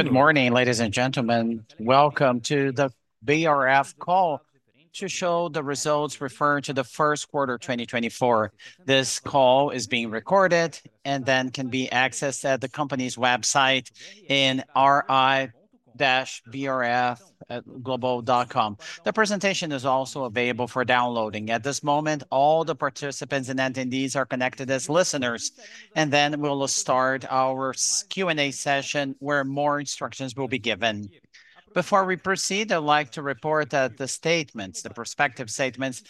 Good morning, ladies and gentlemen. Welcome to the BRF call to show the results referring to the first quarter 2024. This call is being recorded and then can be accessed at the company's website in ri.brf-global.com. The presentation is also available for downloading. At this moment, all the participants and attendees are connected as listeners, and then we'll start our Q&A session where more instructions will be given. Before we proceed, I'd like to report that the statements, the prospective statements,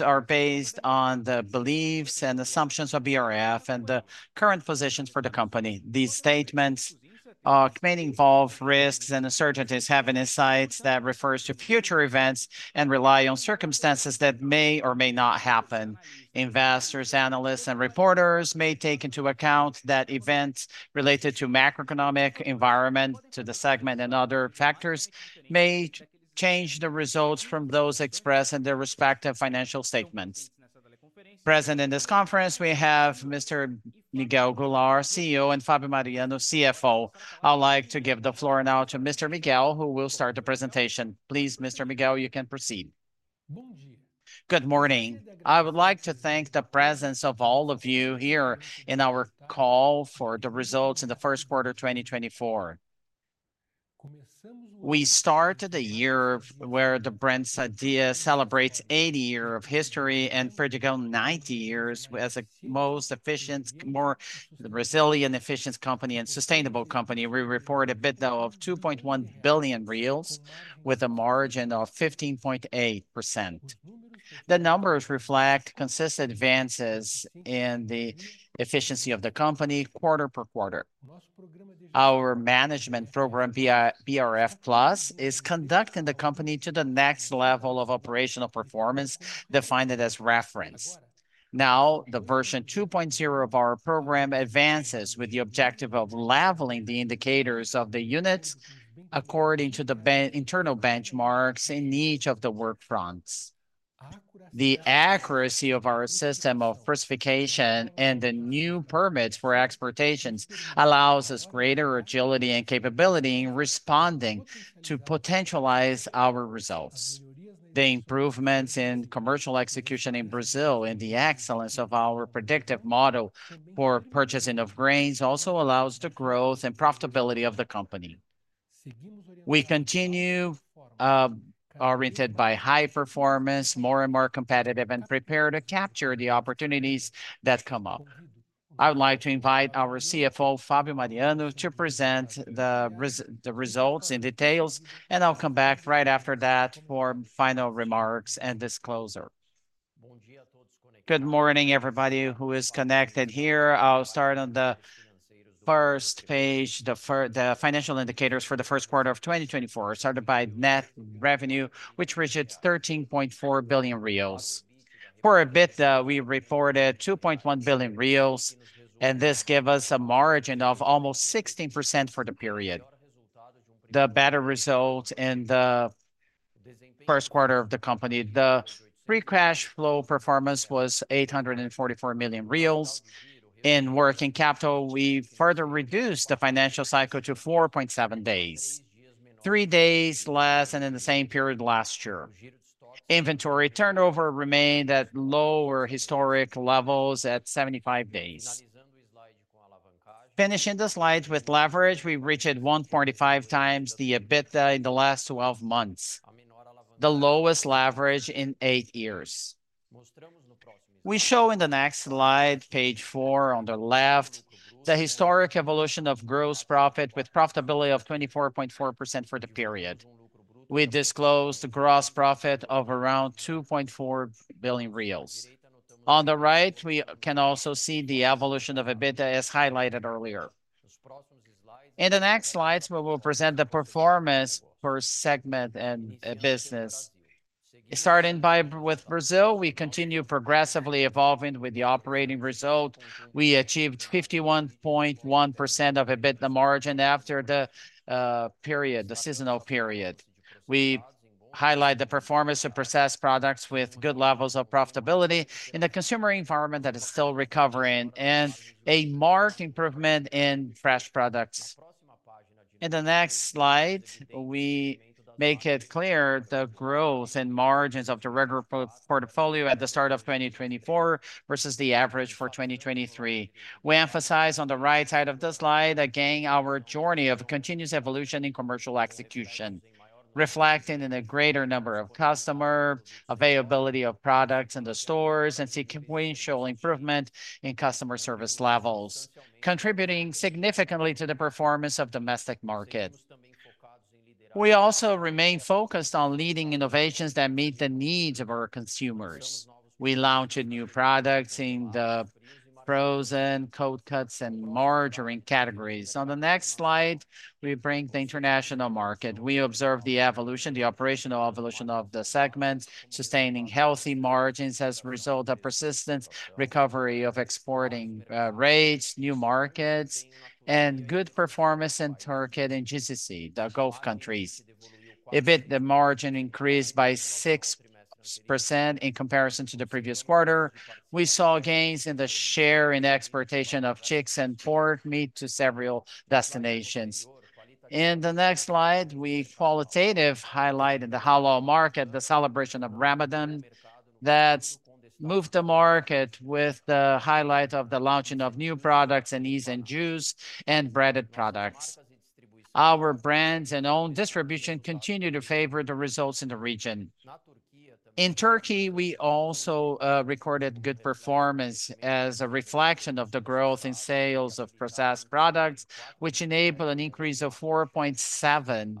are based on the beliefs and assumptions of BRF and the current positions for the company. These statements may involve risks, and assertion is having insights that refer to future events and rely on circumstances that may or may not happen. Investors, analysts, and reporters may take into account that events related to the macroeconomic environment, to the segment, and other factors may change the results from those expressed in their respective financial statements. Present in this conference, we have Mr. Miguel Gularte, CEO, and Fabio Mariano, CFO. I'd like to give the floor now to Mr. Miguel, who will start the presentation. Please, Mr. Miguel, you can proceed. Good morning. Good morning. I would like to thank the presence of all of you here in our call for the results in the first quarter 2024. We started the year where the Sadia celebrates 80 years of history and Perdigão 90 years as a most efficient, more resilient, efficient company and sustainable company. We report an EBITDA of 2.1 billion with a margin of 15.8%. The numbers reflect consistent advances in the efficiency of the company quarter per quarter. Our management program, BRF+, is conducting the company to the next level of operational performance defined as reference. Now, the version 2.0 of our program advances with the objective of leveling the indicators of the units according to the internal benchmarks in each of the work fronts. The accuracy of our system of prediction and the new permits for exports allows us greater agility and capability in responding to potentialize our results. The improvements in commercial execution in Brazil and the excellence of our predictive model for purchasing of grains also allow us the growth and profitability of the company. We continue oriented by high performance, more and more competitive, and prepared to capture the opportunities that come up. I would like to invite our CFO, Fabio Mariano, to present the results in detail, and I'll come back right after that for final remarks and disclosure. Good morning, everybody who is connected here. I'll start on the first page. The financial indicators for the first quarter of 2024 started by net revenue, which reached 13.4 billion reais. EBITDA, we reported 2.1 billion reais, and this gave us a margin of almost 16% for the period. The better results in the first quarter of the company, the free cash flow performance was 844 million reais. In working capital, we further reduced the financial cycle to 4.7 days, three days less than in the same period last year. Inventory turnover remained at lower historic levels at 75 days. Finishing the slide with leverage, we reached 1.5 times the EBITDA in the last 12 months, the lowest leverage in eight years. We show in the next slide, page four on the left, the historic evolution of gross profit with profitability of 24.4% for the period. We disclosed gross profit of around 2.4 billion reais. On the right, we can also see the evolution of EBITDA as highlighted earlier. In the next slides, we will present the performance per segment and business. Starting with Brazil, we continue progressively evolving with the operating result. We achieved 51.1% of EBITDA margin after the period, the seasonal period. We highlight the performance of processed products with good levels of profitability in the consumer environment that is still recovering and a marked improvement in fresh products. In the next slide, we make it clear the growth and margins of the regular portfolio at the start of 2024 versus the average for 2023. We emphasize on the right side of the slide, again, our journey of continuous evolution in commercial execution, reflecting in a greater number of customers, availability of products in the stores, and sequentially improvement in customer service levels, contributing significantly to the performance of the domestic market. We also remain focused on leading innovations that meet the needs of our consumers. We launched new products in the frozen, cold cuts, and margarine categories. On the next slide, we bring the international market. We observe the evolution, the operational evolution of the segments, sustaining healthy margins as a result of persistent recovery of exporting rates, new markets, and good performance in Turkey and GCC, the Gulf countries. If the margin increased by 6% in comparison to the previous quarter, we saw gains in the share in exportation of chicks and pork meat to several destinations. In the next slide, we qualitatively highlight in the Halal market the celebration of Ramadan that moved the market with the highlight of the launching of new products and Easy & Juicy and breaded products. Our brands and own distribution continue to favor the results in the region. In Turkey, we also recorded good performance as a reflection of the growth in sales of processed products, which enabled an increase of 4.7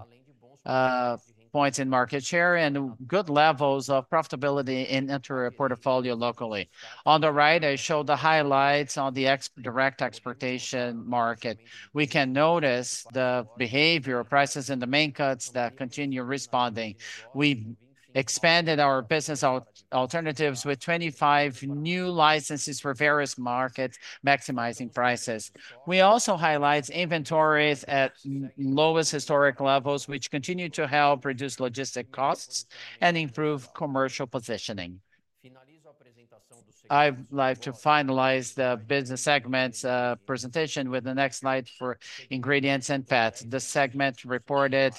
points in market share and good levels of profitability in the portfolio locally. On the right, I show the highlights on the direct exportation market. We can notice the behavior, prices, and the main cuts that continue responding. We expanded our business alternatives with 25 new licenses for various markets, maximizing prices. We also highlight inventories at lowest historic levels, which continue to help reduce logistic costs and improve commercial positioning. I'd like to finalize the business segments presentation with the next slide for ingredients and pets. The segment reported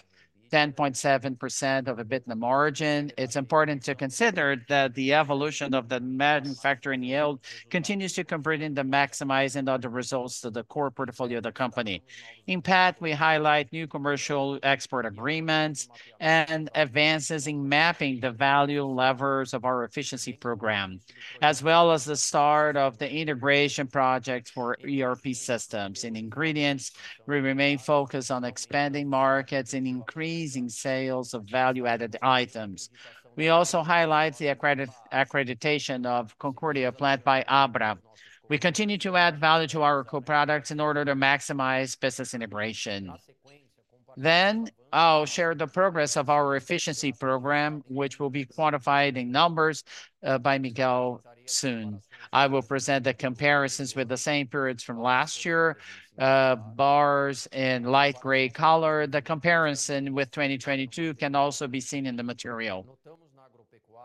10.7% of EBITDA margin. It's important to consider that the evolution of the manufacturing yield continues to convert in the maximizing of the results to the core portfolio of the company. In Pet, we highlight new commercial export agreements and advances in mapping the value levers of our efficiency program, as well as the start of the integration projects for ERP systems. In ingredients, we remain focused on expanding markets and increasing sales of value-added items. We also highlight the accreditation of Concordia Plant by ABRA. We continue to add value to our co-products in order to maximize business integration. Then I'll share the progress of our efficiency program, which will be quantified in numbers by Miguel soon. I will present the comparisons with the same periods from last year, bars in light gray color. The comparison with 2022 can also be seen in the material.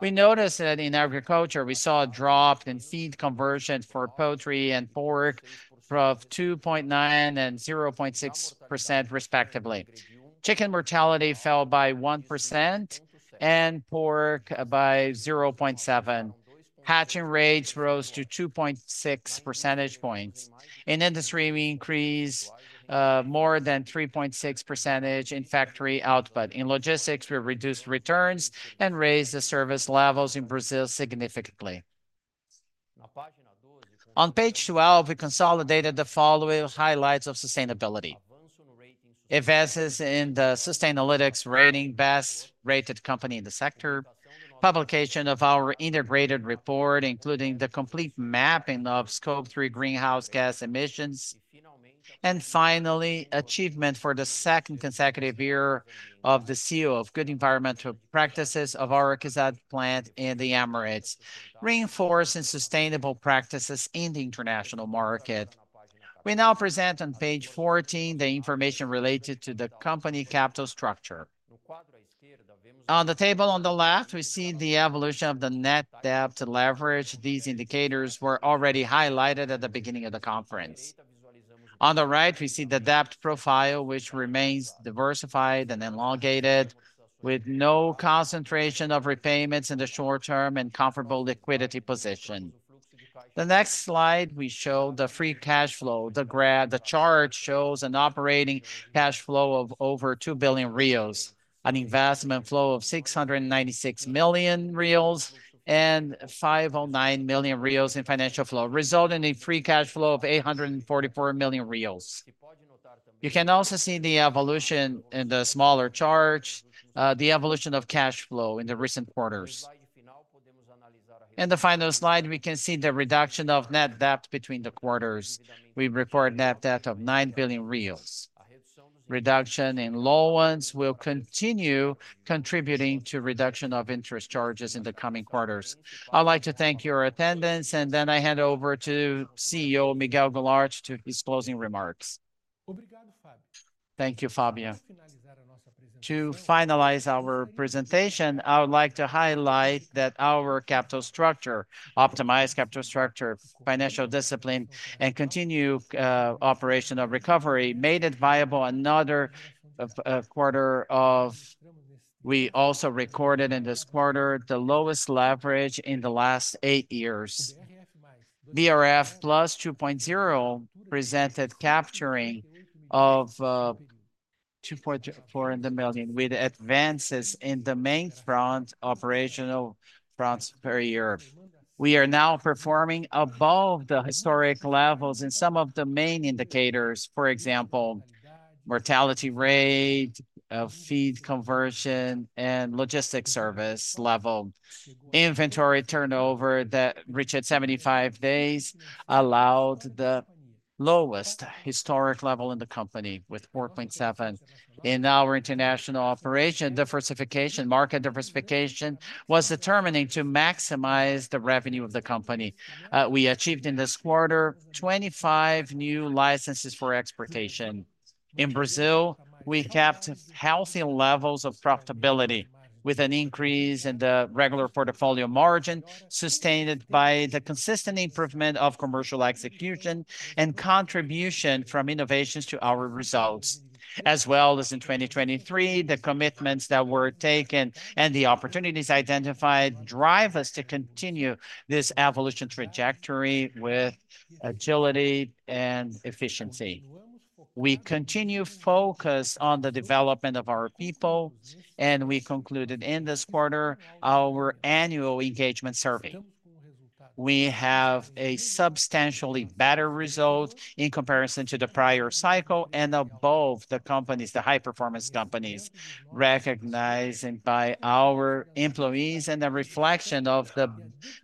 We noticed that in agriculture, we saw a drop in feed conversion for poultry and pork of 2.9% and 0.6% respectively. Chicken mortality fell by 1% and pork by 0.7%. Hatching rates rose to 2.6 percentage points. In industry, we increased more than 3.6% in factory output. In logistics, we reduced returns and raised the service levels in Brazil significantly. On page 12, we consolidated the following highlights of sustainability: advances in the Sustainalytics rating, best-rated company in the sector, publication of our integrated report, including the complete mapping of Scope 3 greenhouse gas emissions, and finally, achievement for the second consecutive year of the Seal of Good Environmental Practices of our KIZAD Plant in the Emirates, reinforcing sustainable practices in the international market. We now present on page 14 the information related to the company capital structure. On the table on the left, we see the evolution of the net debt leverage. These indicators were already highlighted at the beginning of the conference. On the right, we see the debt profile, which remains diversified and elongated, with no concentration of repayments in the short-term and comfortable liquidity position. The next slide, we show the free cash flow. The chart shows an operating cash flow of over 2 billion, an investment flow of 696 million, and 509 million in financial flow, resulting in a free cash flow of 844 million. You can also see the evolution in the smaller chart, the evolution of cash flow in the recent quarters. In the final slide, we can see the reduction of net debt between the quarters. We report net debt of 9 billion reais. Reduction in loans will continue contributing to reduction of interest charges in the coming quarters. I'd like to thank your attendance, and then I hand over to CEO Miguel Gularte to his closing remarks. Thank you, Fabio. To finalize our presentation, I would like to highlight that our capital structure, optimized capital structure, financial discipline, and continued operation of recovery made it viable another quarter of. We also recorded in this quarter the lowest leverage in the last 8 years. BRF+ 2.0 presented capturing of 2.4 billion with advances in the main operational fronts per year. We are now performing above the historic levels in some of the main indicators, for example, mortality rate, feed conversion, and logistics service level. Inventory turnover that reached 75 days allowed the lowest historic level in the company with 4.7. In our international operation, diversification, market diversification was determining to maximize the revenue of the company. We achieved in this quarter 25 new licenses for exportation. In Brazil, we kept healthy levels of profitability with an increase in the regular portfolio margin sustained by the consistent improvement of commercial execution and contribution from innovations to our results. As well as in 2023, the commitments that were taken and the opportunities identified drive us to continue this evolution trajectory with agility and efficiency. We continue to focus on the development of our people, and we concluded in this quarter our annual engagement survey. We have a substantially better result in comparison to the prior cycle and above the companies, the high-performance companies, recognized by our employees and a reflection of the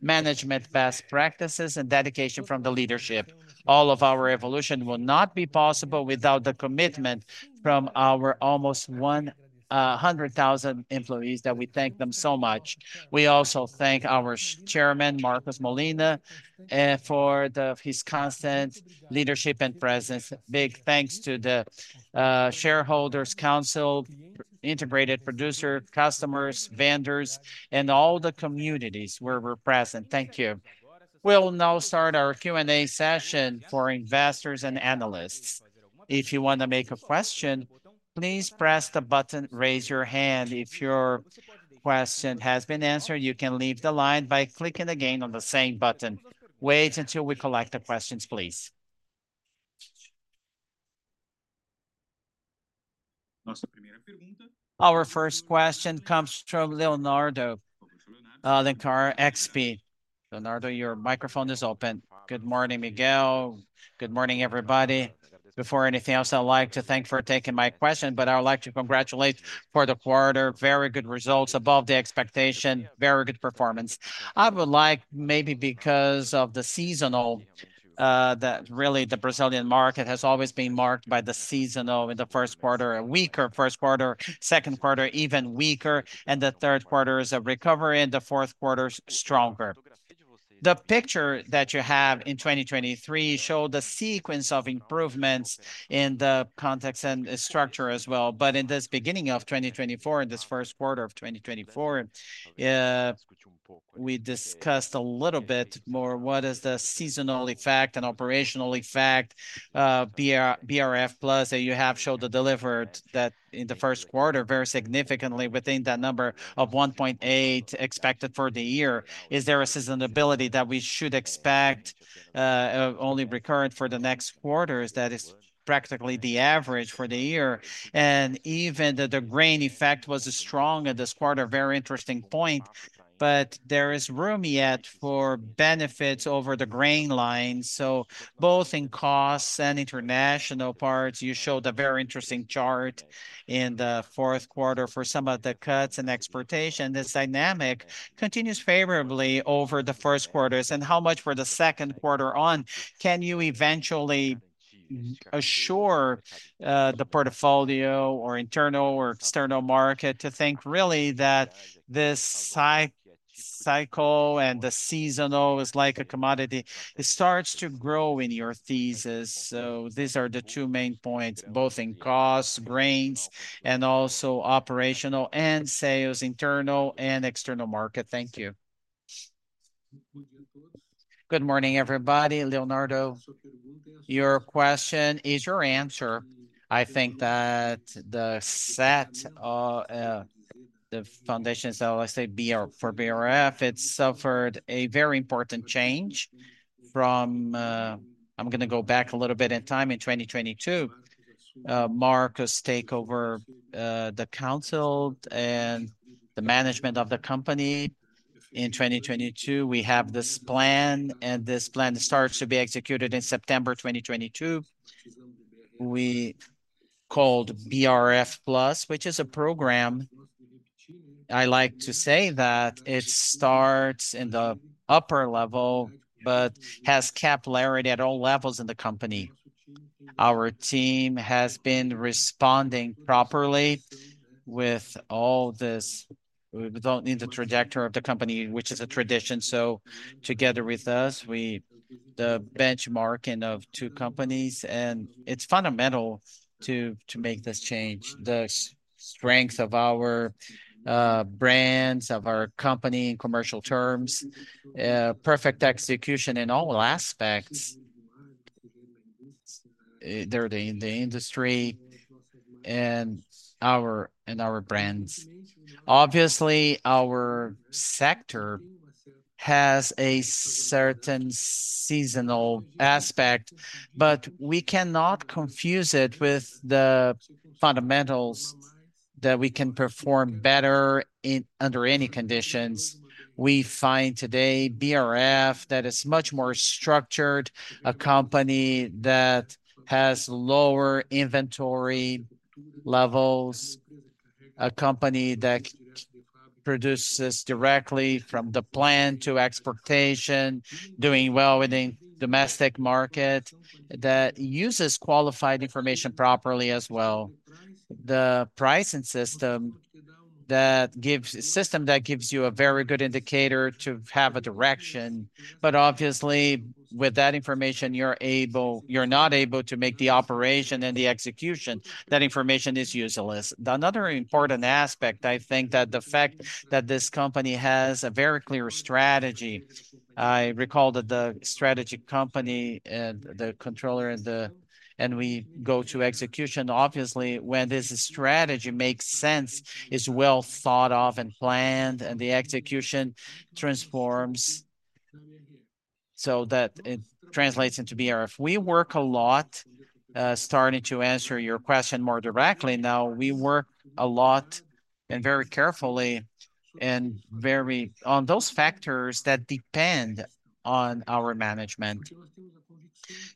management best practices and dedication from the leadership. All of our evolution will not be possible without the commitment from our almost 100,000 employees that we thank them so much. We also thank our Chairman, Marcos Molina, for his constant leadership and presence. Big thanks to the shareholders' council, integrated producers, customers, vendors, and all the communities where we're present. Thank you. We'll now start our Q&A session for investors and analysts. If you want to make a question, please press the button. Raise your hand. If your question has been answered, you can leave the line by clicking again on the same button. Wait until we collect the questions, please. Our first question comes from Leonardo Alencar, XP. Leonardo, your microphone is open. Good morning, Miguel. Good morning, everybody. Before anything else, I'd like to thank you for taking my question, but I would like to congratulate you for the quarter. Very good results above the expectation. Very good performance. I would like maybe because of the seasonal that really the Brazilian market has always been marked by the seasonal in the first quarter, a weaker first quarter, second quarter, even weaker, and the third quarter is a recovery and the fourth quarter stronger. The picture that you have in 2023 showed the sequence of improvements in the context and structure as well. But in this beginning of 2024, in this first quarter of 2024, we discussed a little bit more what is the seasonal effect and operational effect. BRF+ that you have showed the delivered that in the first quarter very significantly within that number of 1.8 expected for the year. Is there a seasonality that we should expect only recurrent for the next quarters? That is practically the average for the year. And even the grain effect was strong in this quarter. Very interesting point. But there is room yet for benefits over the grain line. So both in costs and international parts, you showed a very interesting chart in the fourth quarter for some of the cuts and exportation. This dynamic continues favorably over the first quarters. And how much for the second quarter on? Can you eventually assure the portfolio or internal or external market to think really that this cycle and the seasonal is like a commodity? It starts to grow in your thesis. So these are the two main points, both in costs, grains, and also operational and sales, internal and external market. Thank you. Good morning, everybody. Leonardo, your question is your answer. I think that the set of the foundations, let's say, for BRF, it suffered a very important change from. I'm going to go back a little bit in time. In 2022, Marcos took over the control and the management of the company. In 2022, we have this plan, and this plan starts to be executed in September 2022. We called BRF+, which is a program. I like to say that it starts in the upper level but has capillarity at all levels in the company. Our team has been responding properly with all this. We don't need the trajectory of the company, which is a tradition. So together with us, we the benchmarking of two companies. It's fundamental to make this change. The strength of our brands, of our company in commercial terms, perfect execution in all aspects. They're in the industry and our and our brands. Obviously, our sector has a certain seasonal aspect, but we cannot confuse it with the fundamentals that we can perform better under any conditions. We find today BRF that is much more structured, a company that has lower inventory levels, a company that produces directly from the plant to exportation, doing well within the domestic market that uses qualified information properly as well. The pricing system that gives you a very good indicator to have a direction. But obviously, with that information, you're not able to make the operation and the execution. That information is useless. Another important aspect, I think, that the fact that this company has a very clear strategy. I recall that the strategy company and the controller and we go to execution. Obviously, when this strategy makes sense, is well thought of and planned, and the execution transforms so that it translates into BRF. We work a lot, starting to answer your question more directly now. We work a lot and very carefully and very on those factors that depend on our management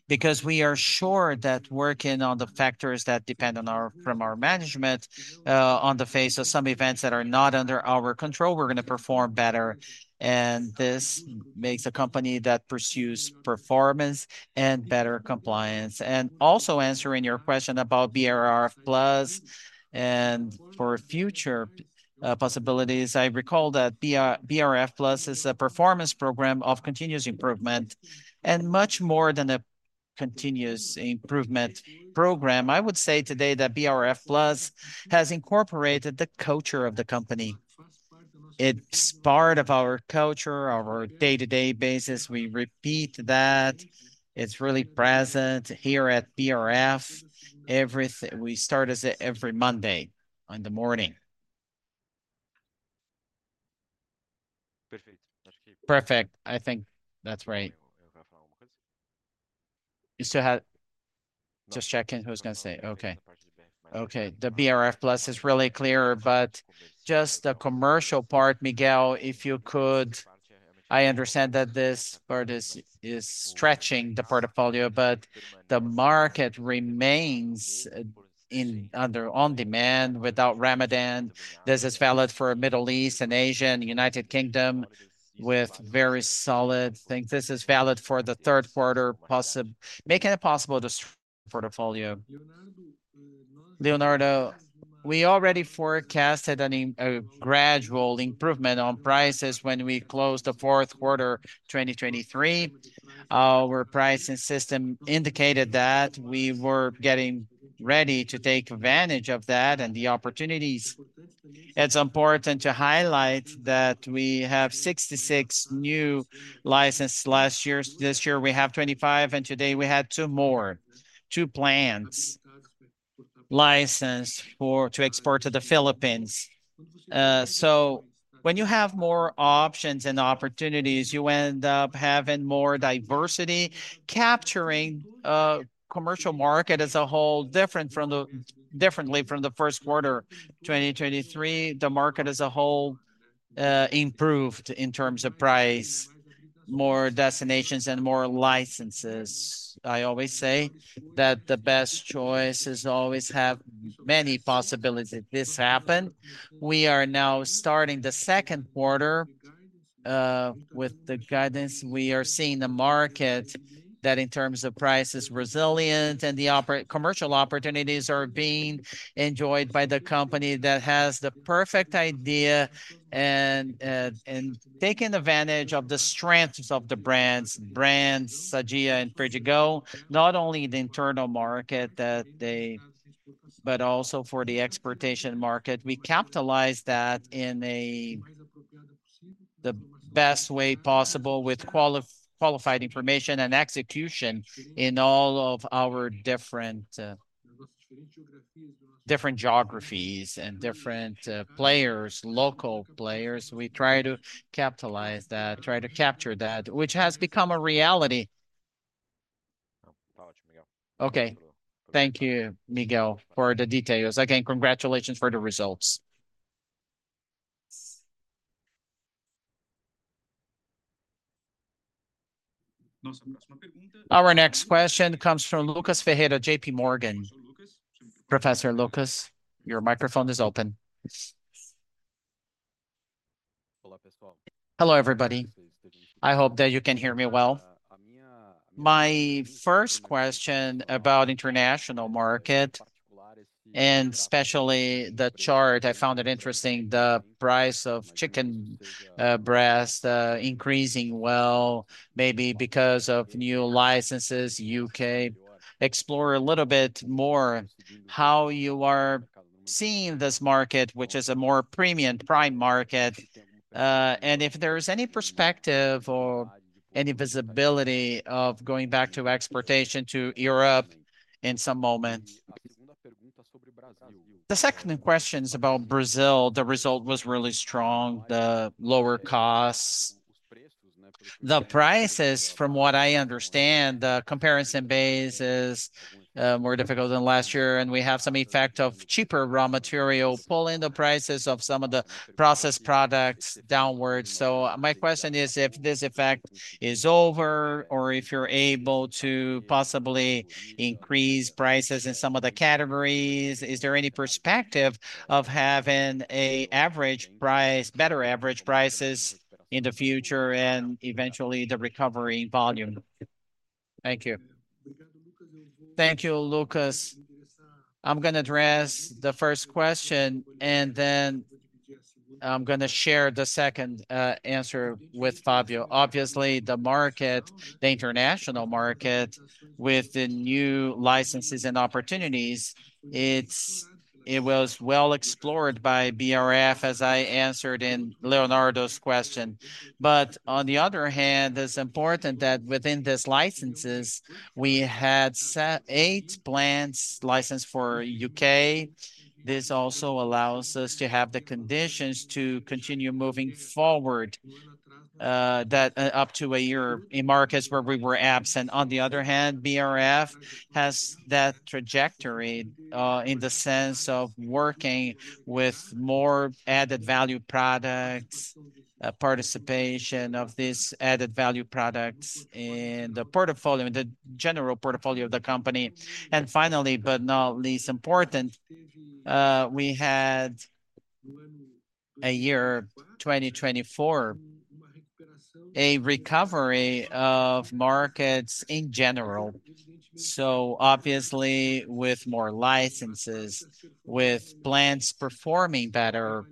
because we are sure that working on the factors that depend on our from our management, on the face of some events that are not under our control, we're going to perform better. This makes a company that pursues performance and better compliance. Also answering your question about BRF+ and for future possibilities, I recall that BRF+ is a performance program of continuous improvement and much more than a continuous improvement program. I would say today that BRF+ has incorporated the culture of the company. It's part of our culture, our day-to-day basis. We repeat that. It's really present here at BRF. Everything we start as every Monday in the morning. Perfect. Perfect. I think that's right. You still have just checking who's going to say okay. Okay. The BRF+ is really clear, but just the commercial part, Miguel, if you could. I understand that this part is stretching the portfolio, but the market remains under on demand without Ramadan. This is valid for Middle East and Asia, United Kingdom with very solid things. This is valid for the third quarter, possibly making it possible to. Portfolio. Leonardo, we already forecasted a gradual improvement on prices when we closed the fourth quarter 2023. Our pricing system indicated that we were getting ready to take advantage of that and the opportunities. It's important to highlight that we have 66 new licenses last year. This year we have 25, and today we had 2 more, 2 plants licensed for to export to the Philippines. So when you have more options and opportunities, you end up having more diversity, capturing the commercial market as a whole, different from the first quarter 2023. The market as a whole improved in terms of price, more destinations, and more licenses. I always say that the best choice is always have many possibilities. This happened. We are now starting the second quarter with the guidance. We are seeing the market that in terms of price is resilient and the commercial opportunities are being enjoyed by the company that has the perfect idea and taking advantage of the strengths of the brands, brands Sadia and Perdigão, not only the internal market that they, but also for the exportation market. We capitalize that in the best way possible with qualified information and execution in all of our different geographies and different players, local players. We try to capitalize that, try to capture that, which has become a reality. Okay. Thank you, Miguel, for the details. Again, congratulations for the results. Our next question comes from Lucas Ferreira, JPMorgan. Professor Lucas, your microphone is open. Hello, everybody. I hope that you can hear me well. My first question about the international market and especially the chart, I found it interesting. The price of chicken breast increasing well, maybe because of new licenses. U.K., explore a little bit more how you are seeing this market, which is a more premium prime market. And if there is any perspective or any visibility of going back to exportation to Europe in some moment. The second question is about Brazil. The result was really strong. The lower costs. The prices, from what I understand, the comparison base is more difficult than last year, and we have some effect of cheaper raw material pulling the prices of some of the processed products downwards. So my question is if this effect is over or if you're able to possibly increase prices in some of the categories, is there any perspective of having an average price, better average prices in the future and eventually the recovery volume? Thank you. Thank you, Lucas. I'm going to address the first question, and then I'm going to share the second answer with Fabio. Obviously, the market, the international market with the new licenses and opportunities, it was well explored by BRF as I answered in Leonardo's question. But on the other hand, it's important that within these licenses, we had 8 plants licensed for U.K. This also allows us to have the conditions to continue moving forward that up to a year in markets where we were absent. On the other hand, BRF has that trajectory in the sense of working with more added value products, participation of these added value products in the portfolio, in the general portfolio of the company. And finally, last but not least, we had in 2024 a recovery of markets in general. So obviously, with more licenses, with plants performing better,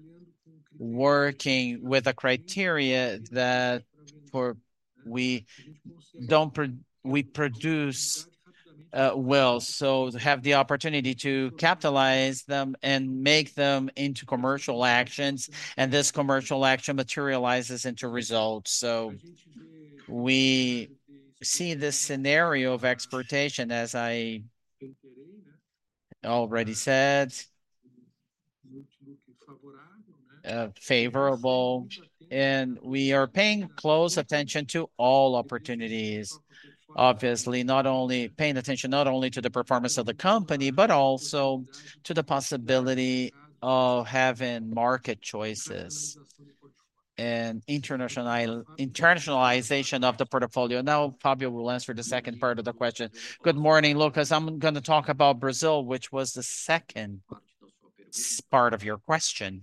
working with the criteria that we do produce well, so have the opportunity to capitalize them and make them into commercial actions. This commercial action materializes into results. So we see this scenario of exportation, as I already said, favorable. We are paying close attention to all opportunities, obviously, not only paying attention not only to the performance of the company, but also to the possibility of having market choices and internationalization of the portfolio. Now, Fabio will answer the second part of the question. Good morning, Lucas. I'm going to talk about Brazil, which was the second part of your question.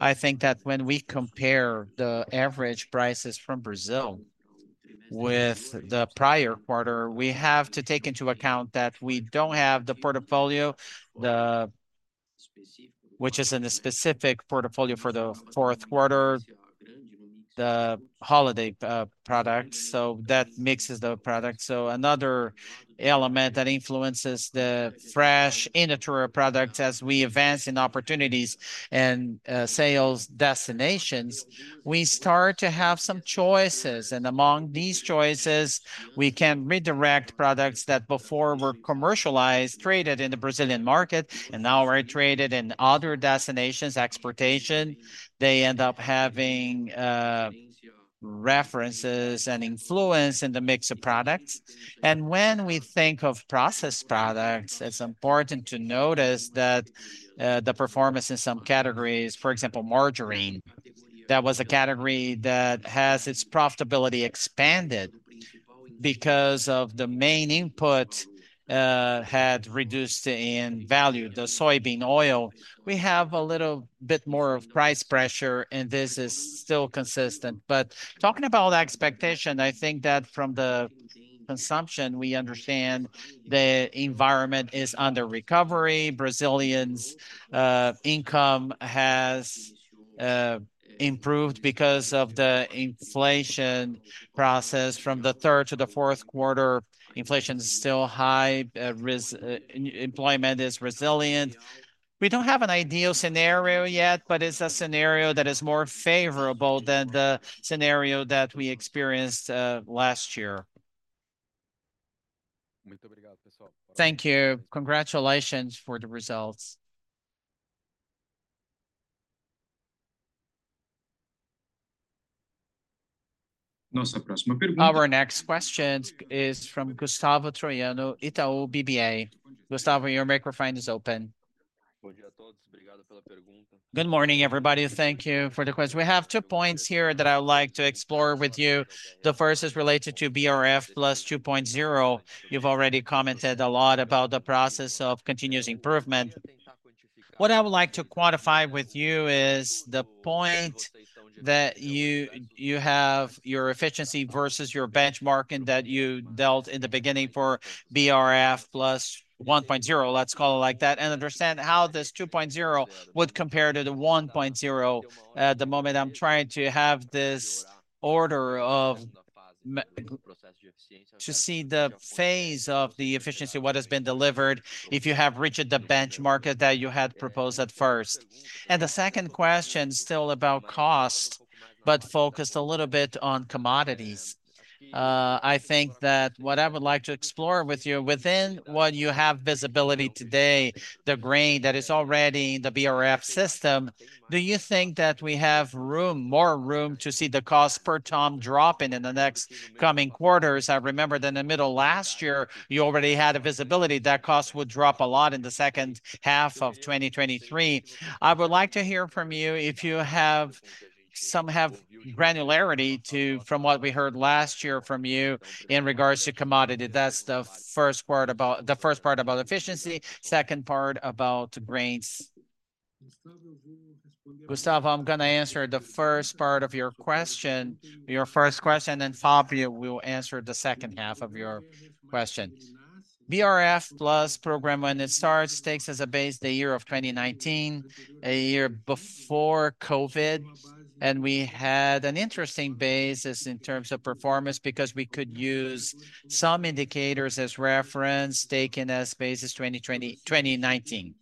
I think that when we compare the average prices from Brazil with the prior quarter, we have to take into account that we don't have the portfolio, which is in a specific portfolio for the fourth quarter, the holiday products. So that mixes the products. So another element that influences the fresh inventory of products as we advance in opportunities and sales destinations, we start to have some choices. And among these choices, we can redirect products that before were commercialized, traded in the Brazilian market, and now are traded in other destinations, exportation. They end up having references and influence in the mix of products. And when we think of processed products, it's important to notice that the performance in some categories, for example, margarine, that was a category that has its profitability expanded because of the main input had reduced in value, the soybean oil. We have a little bit more of price pressure, and this is still consistent. But talking about expectation, I think that from the consumption, we understand the environment is under recovery. Brazilians' income has improved because of the inflation process from the third to the fourth quarter. Inflation is still high. Employment is resilient. We don't have an ideal scenario yet, but it's a scenario that is more favorable than the scenario that we experienced last year. Thank you. Congratulations for the results. Our next question is from Gustavo Troyano, Itaú BBA. Gustavo, your microphone is open. Good morning, everybody. Thank you for the question. We have two points here that I would like to explore with you. The first is related to BRF+ 2.0. You've already commented a lot about the process of continuous improvement. What I would like to quantify with you is the point that you have your efficiency versus your benchmarking that you dealt in the beginning for BRF+ 1.0. Let's call it like that and understand how this 2.0 would compare to the 1.0. At the moment, I'm trying to have this order of to see the phase of the efficiency, what has been delivered, if you have reached the benchmark that you had proposed at first. The second question is still about cost, but focused a little bit on commodities. I think that what I would like to explore with you within what you have visibility today, the grain that is already in the BRF system, do you think that we have room, more room to see the cost per tonne dropping in the next coming quarters? I remember that in the middle of last year, you already had a visibility that cost would drop a lot in the second half of 2023. I would like to hear from you if you have some granularity from what we heard last year from you in regards to commodity. That's the first part about the first part about efficiency, second part about grains. Gustavo, I'm going to answer the first part of your question, your first question, and Fabio will answer the second half of your question. BRF+ program, when it starts, takes as a base the year of 2019, a year before COVID, and we had an interesting basis in terms of performance because we could use some indicators as reference taken as basis 2020, 2019.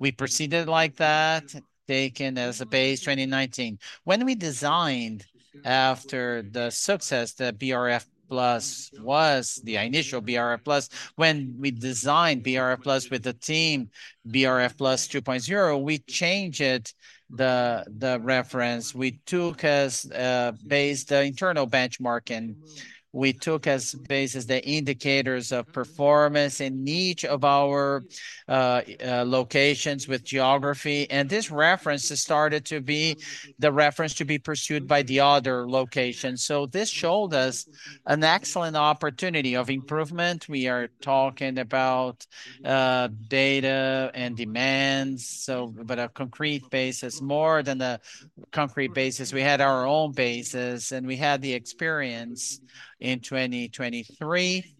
We proceeded like that, taken as a base 2019. When we designed after the success that BRF+ was, the initial BRF+, when we designed BRF+ with the team BRF+ 2.0, we changed it. The reference we took as a base, the internal benchmarking, we took as basis the indicators of performance in each of our locations with geography. This reference started to be the reference to be pursued by the other locations. This showed us an excellent opportunity of improvement. We are talking about data and demands, but a concrete basis, more than a concrete basis. We had our own basis and we had the experience in 2023,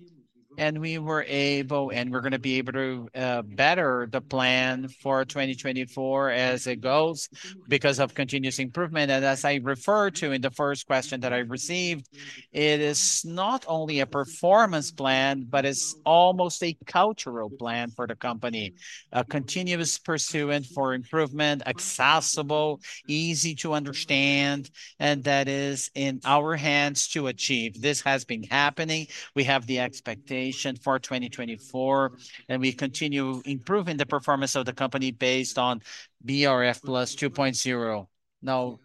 and we were able and we're going to be able to better the plan for 2024 as it goes because of continuous improvement. As I referred to in the first question that I received, it is not only a performance plan, but it's almost a cultural plan for the company, a continuous pursuit for improvement, accessible, easy to understand, and that is in our hands to achieve. This has been happening. We have the expectation for 2024, and we continue improving the performance of the company based on BRF+ 2.0. Now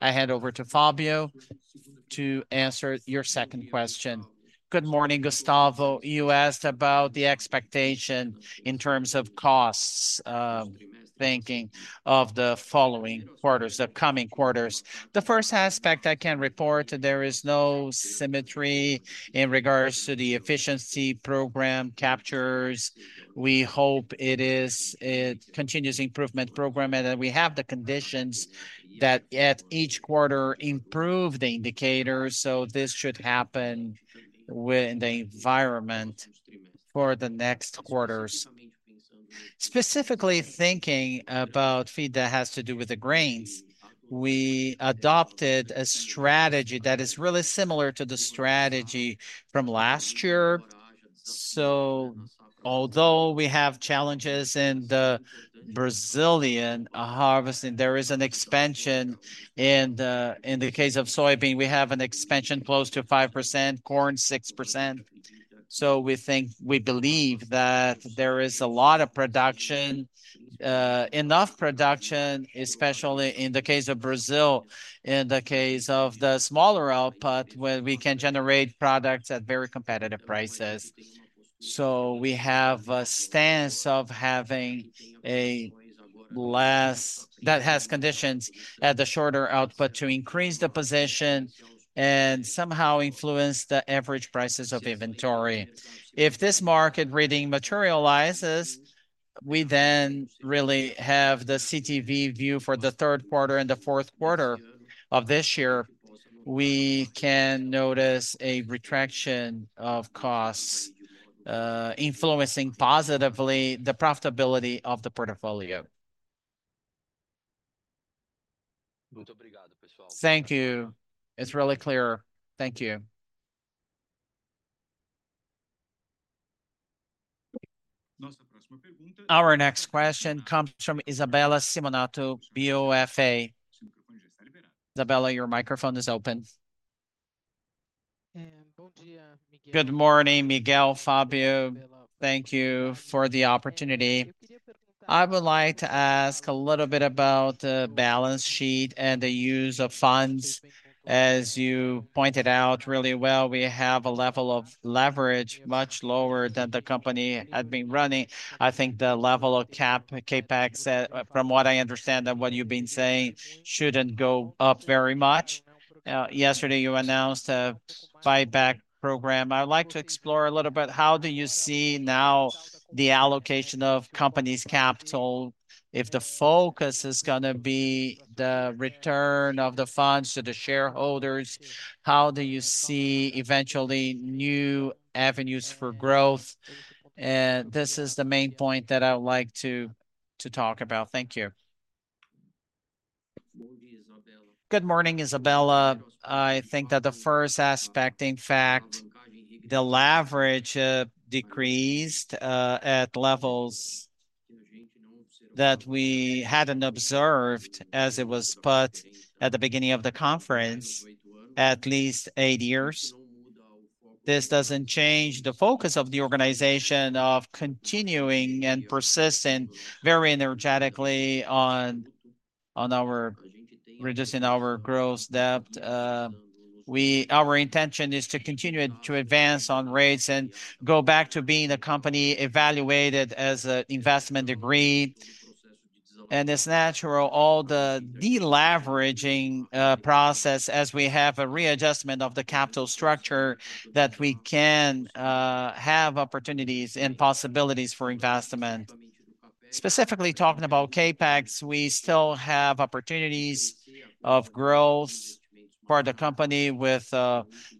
I hand over to Fabio to answer your second question. Good morning, Gustavo. You asked about the expectation in terms of costs thinking of the following quarters, the coming quarters. The first aspect I can report, there is no symmetry in regards to the efficiency program captures. We hope it is a continuous improvement program and that we have the conditions that at each quarter improve the indicators. So this should happen within the environment for the next quarters. Specifically thinking about feed that has to do with the grains, we adopted a strategy that is really similar to the strategy from last year. So although we have challenges in the Brazilian harvesting, there is an expansion in the case of soybean, we have an expansion close to 5%, corn 6%. So we think we believe that there is a lot of production, enough production, especially in the case of Brazil, in the case of the smaller output, where we can generate products at very competitive prices. So we have a stance of having a less that has conditions at the shorter output to increase the position and somehow influence the average prices of inventory. If this market reading materializes, we then really have the CTV view for the third quarter and the fourth quarter of this year. We can notice a retraction of costs influencing positively the profitability of the portfolio. Thank you. It's really clear. Thank you. Our next question comes from Isabella Simonato, BofA. Isabella, your microphone is open. Good morning, Miguel. Fabio, thank you for the opportunity. I would like to ask a little bit about the balance sheet and the use of funds. As you pointed out really well, we have a level of leverage much lower than the company had been running. I think the level of CapEx, from what I understand and what you've been saying, shouldn't go up very much. Yesterday, you announced a buyback program. I would like to explore a little bit. How do you see now the allocation of companies' capital? If the focus is going to be the return of the funds to the shareholders, how do you see eventually new avenues for growth? And this is the main point that I would like to talk about. Thank you. Good morning, Isabella. I think that the first aspect, in fact, the leverage decreased at levels that we hadn't observed as it was put at the beginning of the conference, at least eight years. This doesn't change the focus of the organization on continuing and persisting very energetically on reducing our debt. Our intention is to continue to advance on ratings and go back to being a company evaluated as an investment grade. And it's natural all the deleveraging process as we have a readjustment of the capital structure that we can have opportunities and possibilities for investment. Specifically talking about CapEx, we still have opportunities of growth for the company with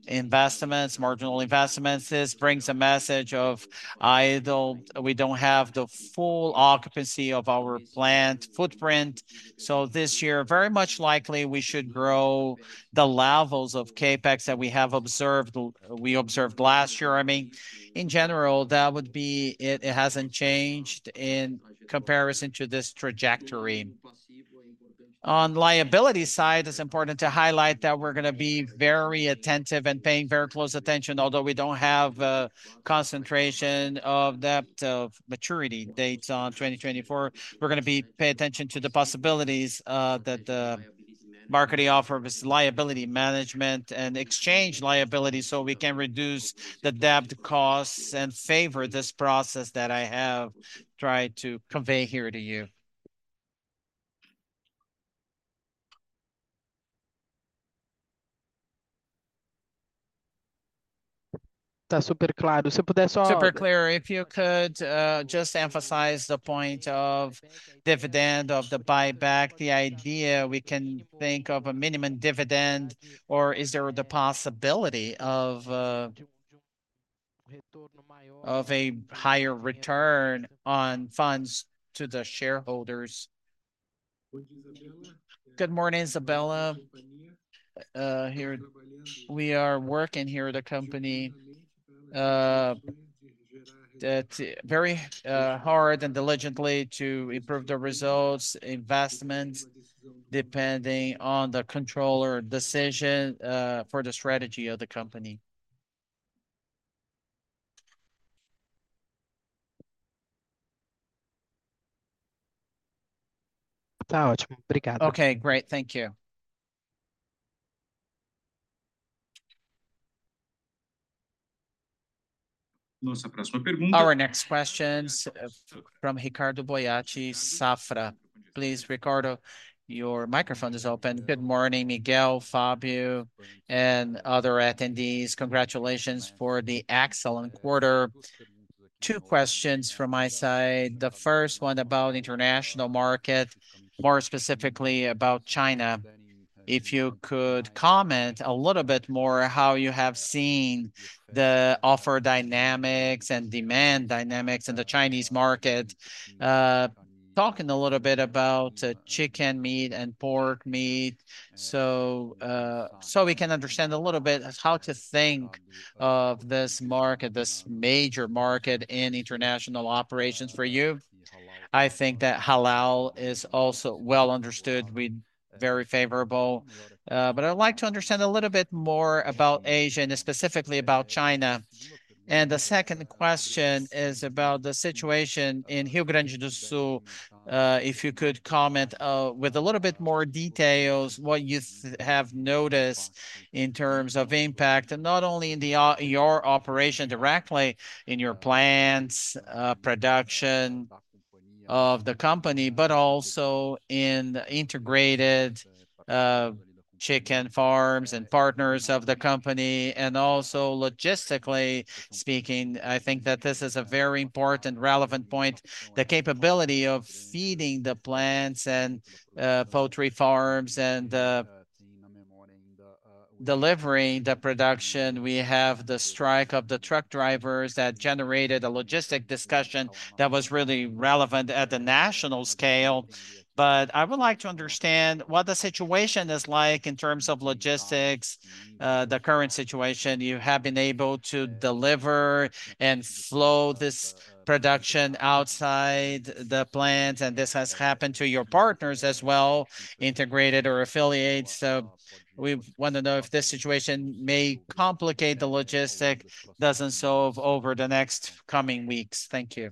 investments, marginal investments. This brings a message of idleness. We don't have the full occupancy of our plant footprint. So this year, very much likely we should grow the levels of CapEx that we have observed. We observed last year. I mean, in general, that would be it. It hasn't changed in comparison to this trajectory. On the liability side, it's important to highlight that we're going to be very attentive and paying very close attention, although we don't have a concentration of debt of maturity dates on 2024. We're going to pay attention to the possibilities that the market offer of liability management and exchange liability so we can reduce the debt costs and favor this process that I have tried to convey here to you. Super clear. If you could just emphasize the point of dividend of the buyback, the idea we can think of a minimum dividend or is there the possibility of a higher return on funds to the shareholders? Good morning, Isabella. We are working here at the company that's very hard and diligently to improve the results investment depending on the controller decision for the strategy of the company. Okay. Great. Thank you. Our next question is from Ricardo Boiati, Safra. Please, Ricardo, your microphone is open. Good morning, Miguel, Fabio, and other attendees. Congratulations for the excellent quarter. Two questions from my side. The first one about international market, more specifically about China. If you could comment a little bit more how you have seen the offer dynamics and demand dynamics in the Chinese market. Talking a little bit about chicken meat and pork meat. So we can understand a little bit how to think of this market, this major market in international operations for you. I think that halal is also well understood. We're very favorable. But I would like to understand a little bit more about Asia and specifically about China. And the second question is about the situation in Rio Grande do Sul. If you could comment with a little bit more details what you have noticed in terms of impact and not only in your operation directly in your plants, production of the company, but also in integrated chicken farms and partners of the company. Also logistically speaking, I think that this is a very important relevant point, the capability of feeding the plants and poultry farms and delivering the production. We have the strike of the truck drivers that generated a logistics discussion that was really relevant at the national scale. But I would like to understand what the situation is like in terms of logistics, the current situation. You have been able to deliver and flow this production outside the plants. And this has happened to your partners as well, integrated or affiliates. So we want to know if this situation may complicate the logistics, doesn't it, so over the next coming weeks. Thank you.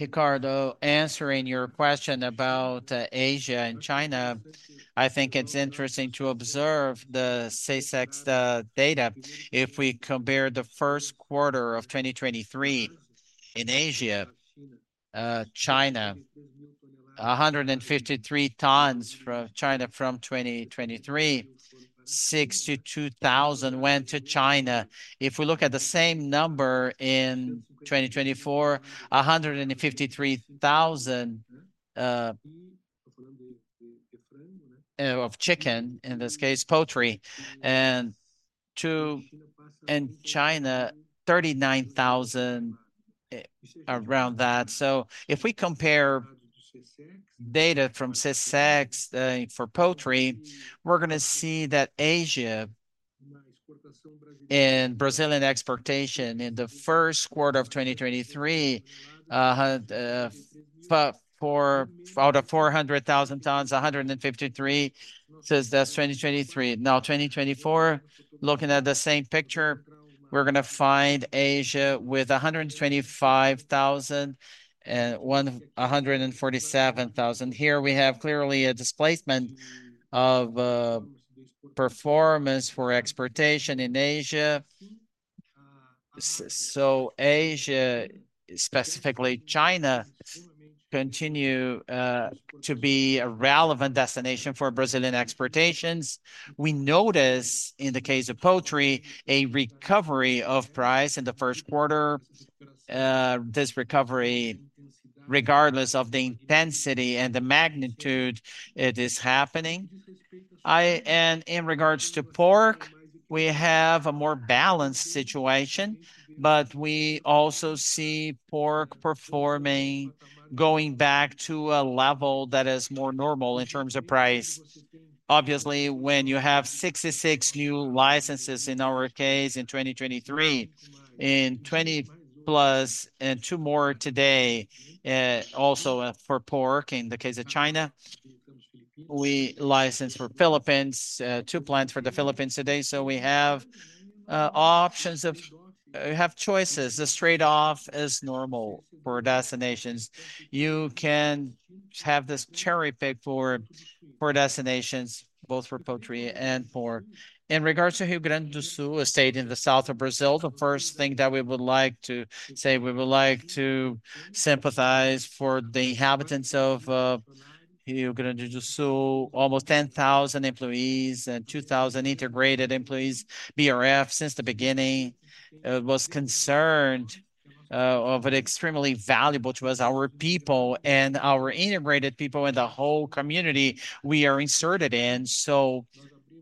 Ricardo, answering your question about Asia and China, I think it's interesting to observe the SECEX data. If we compare the first quarter of 2023 in Asia, China, 153 tons from China from 2023, 62,000 went to China. If we look at the same number in 2024, 153,000 of chicken, in this case poultry, and to China 39,000 around that. So if we compare data from SECEX for poultry, we're going to see that Asia and Brazilian exportation in the first quarter of 2023, for out of 400,000 tons, 153 says that's 2023. Now 2024, looking at the same picture, we're going to find Asia with 125,000 and 147,000. Here we have clearly a displacement of performance for exportation in Asia. So Asia, specifically China, continue to be a relevant destination for Brazilian exportations. We notice in the case of poultry a recovery of price in the first quarter. This recovery, regardless of the intensity and the magnitude it is happening. In regards to pork, we have a more balanced situation, but we also see pork performing going back to a level that is more normal in terms of price. Obviously, when you have 66 new licenses in our case in 2023, 20+ and 2 more today, also for pork in the case of China, we license for Philippines, 2 plants for the Philippines today. So we have options of we have choices. The straight off is normal for destinations. You can have this cherry pick for destinations, both for poultry and pork. In regards to Rio Grande do Sul, a state in the south of Brazil, the first thing that we would like to say, we would like to sympathize for the inhabitants of Rio Grande do Sul, almost 10,000 employees and 2,000 integrated employees. BRF since the beginning was concerned of it extremely valuable to us, our people and our integrated people in the whole community we are inserted in.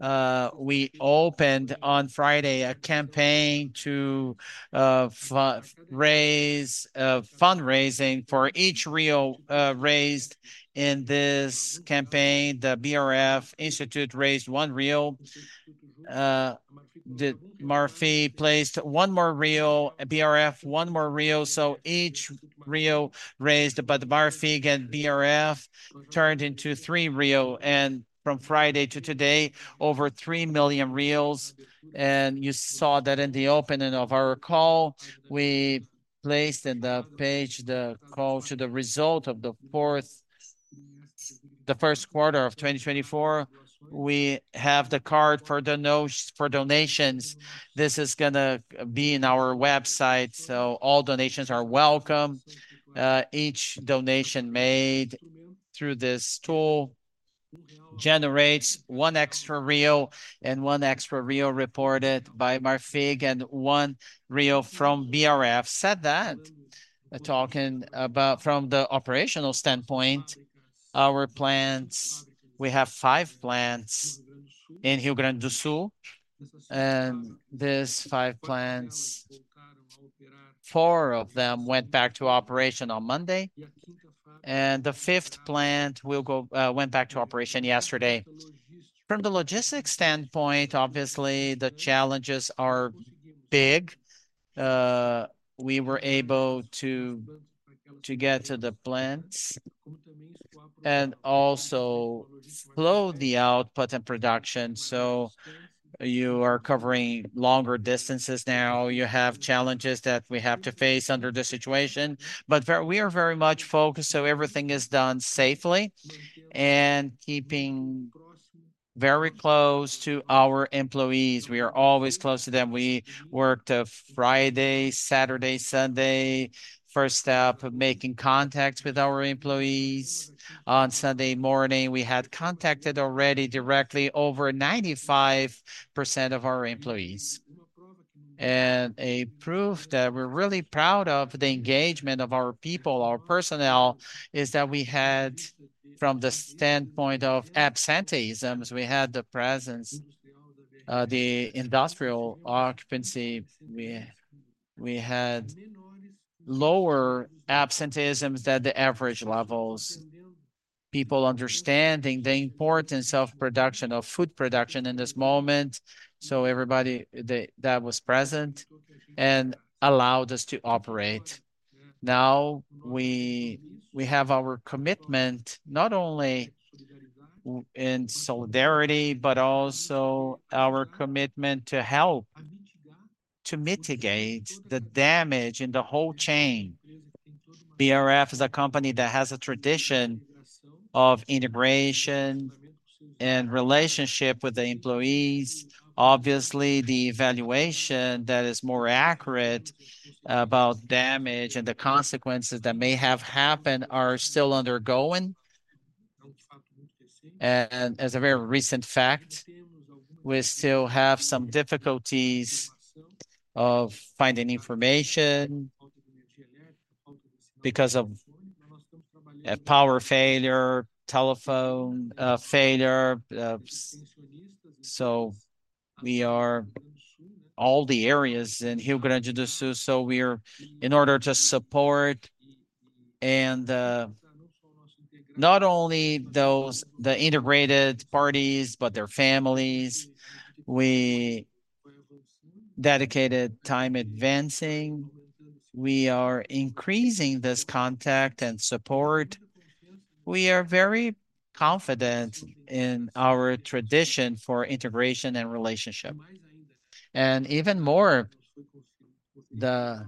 So we opened on Friday a campaign to raise fundraising for each BRL 1 raised in this campaign. The BRF Institute raised 1 real. The municipality placed one more 1, BRF one more BRL 1. So each BRL 1 raised, but the municipality again, BRF turned into 3 real. And from Friday to today, over 3 million. You saw that in the opening of our call, we placed in the page the call to the result of the fourth, the first quarter of 2024. We have the card for the notes for donations. This is going to be in our website. So all donations are welcome. Each donation made through this tool generates 1 extra real and 1 extra real reported by Marfrig, again, 1 from BRF. That said, talking about from the operational standpoint, our plants, we have 5 plants in Rio Grande do Sul. These 5 plants, 4 of them went back to operation on Monday. The fifth plant went back to operation yesterday. From the logistics standpoint, obviously the challenges are big. We were able to get to the plants and also ship the output and production. So you are covering longer distances now. You have challenges that we have to face under the situation, but we are very much focused. So everything is done safely and keeping very close to our employees. We are always close to them. We worked Friday, Saturday, Sunday, first step of making contacts with our employees. On Sunday morning, we had contacted already directly over 95% of our employees. And a proof that we're really proud of the engagement of our people, our personnel is that we had from the standpoint of absenteeisms, we had the presence of the industrial occupancy. We had lower absenteeisms than the average levels. People understanding the importance of production of food production in this moment. So everybody that was present and allowed us to operate. Now we have our commitment not only in solidarity, but also our commitment to help to mitigate the damage in the whole chain. BRF is a company that has a tradition of integration and relationship with the employees. Obviously, the evaluation that is more accurate about damage and the consequences that may have happened are still undergoing. As a very recent fact, we still have some difficulties of finding information because of power failure, telephone failure. We are all the areas in Rio Grande do Sul. We are in order to support and not only those, the integrated parties, but their families. We dedicated time advancing. We are increasing this contact and support. We are very confident in our tradition for integration and relationship. Even more the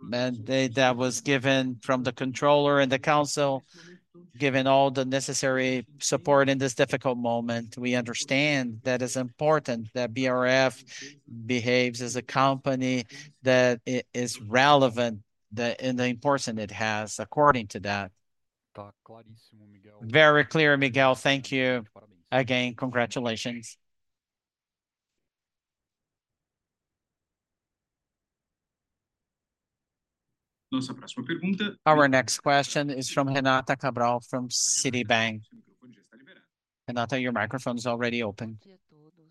mandate that was given from the controller and the council, given all the necessary support in this difficult moment, we understand that it's important that BRF behaves as a company that is relevant and the importance it has according to that. Very clear. Miguel, thank you again. Congratulations. Our next question is from Renata Cabral from Citibank Renata, your microphone is already open.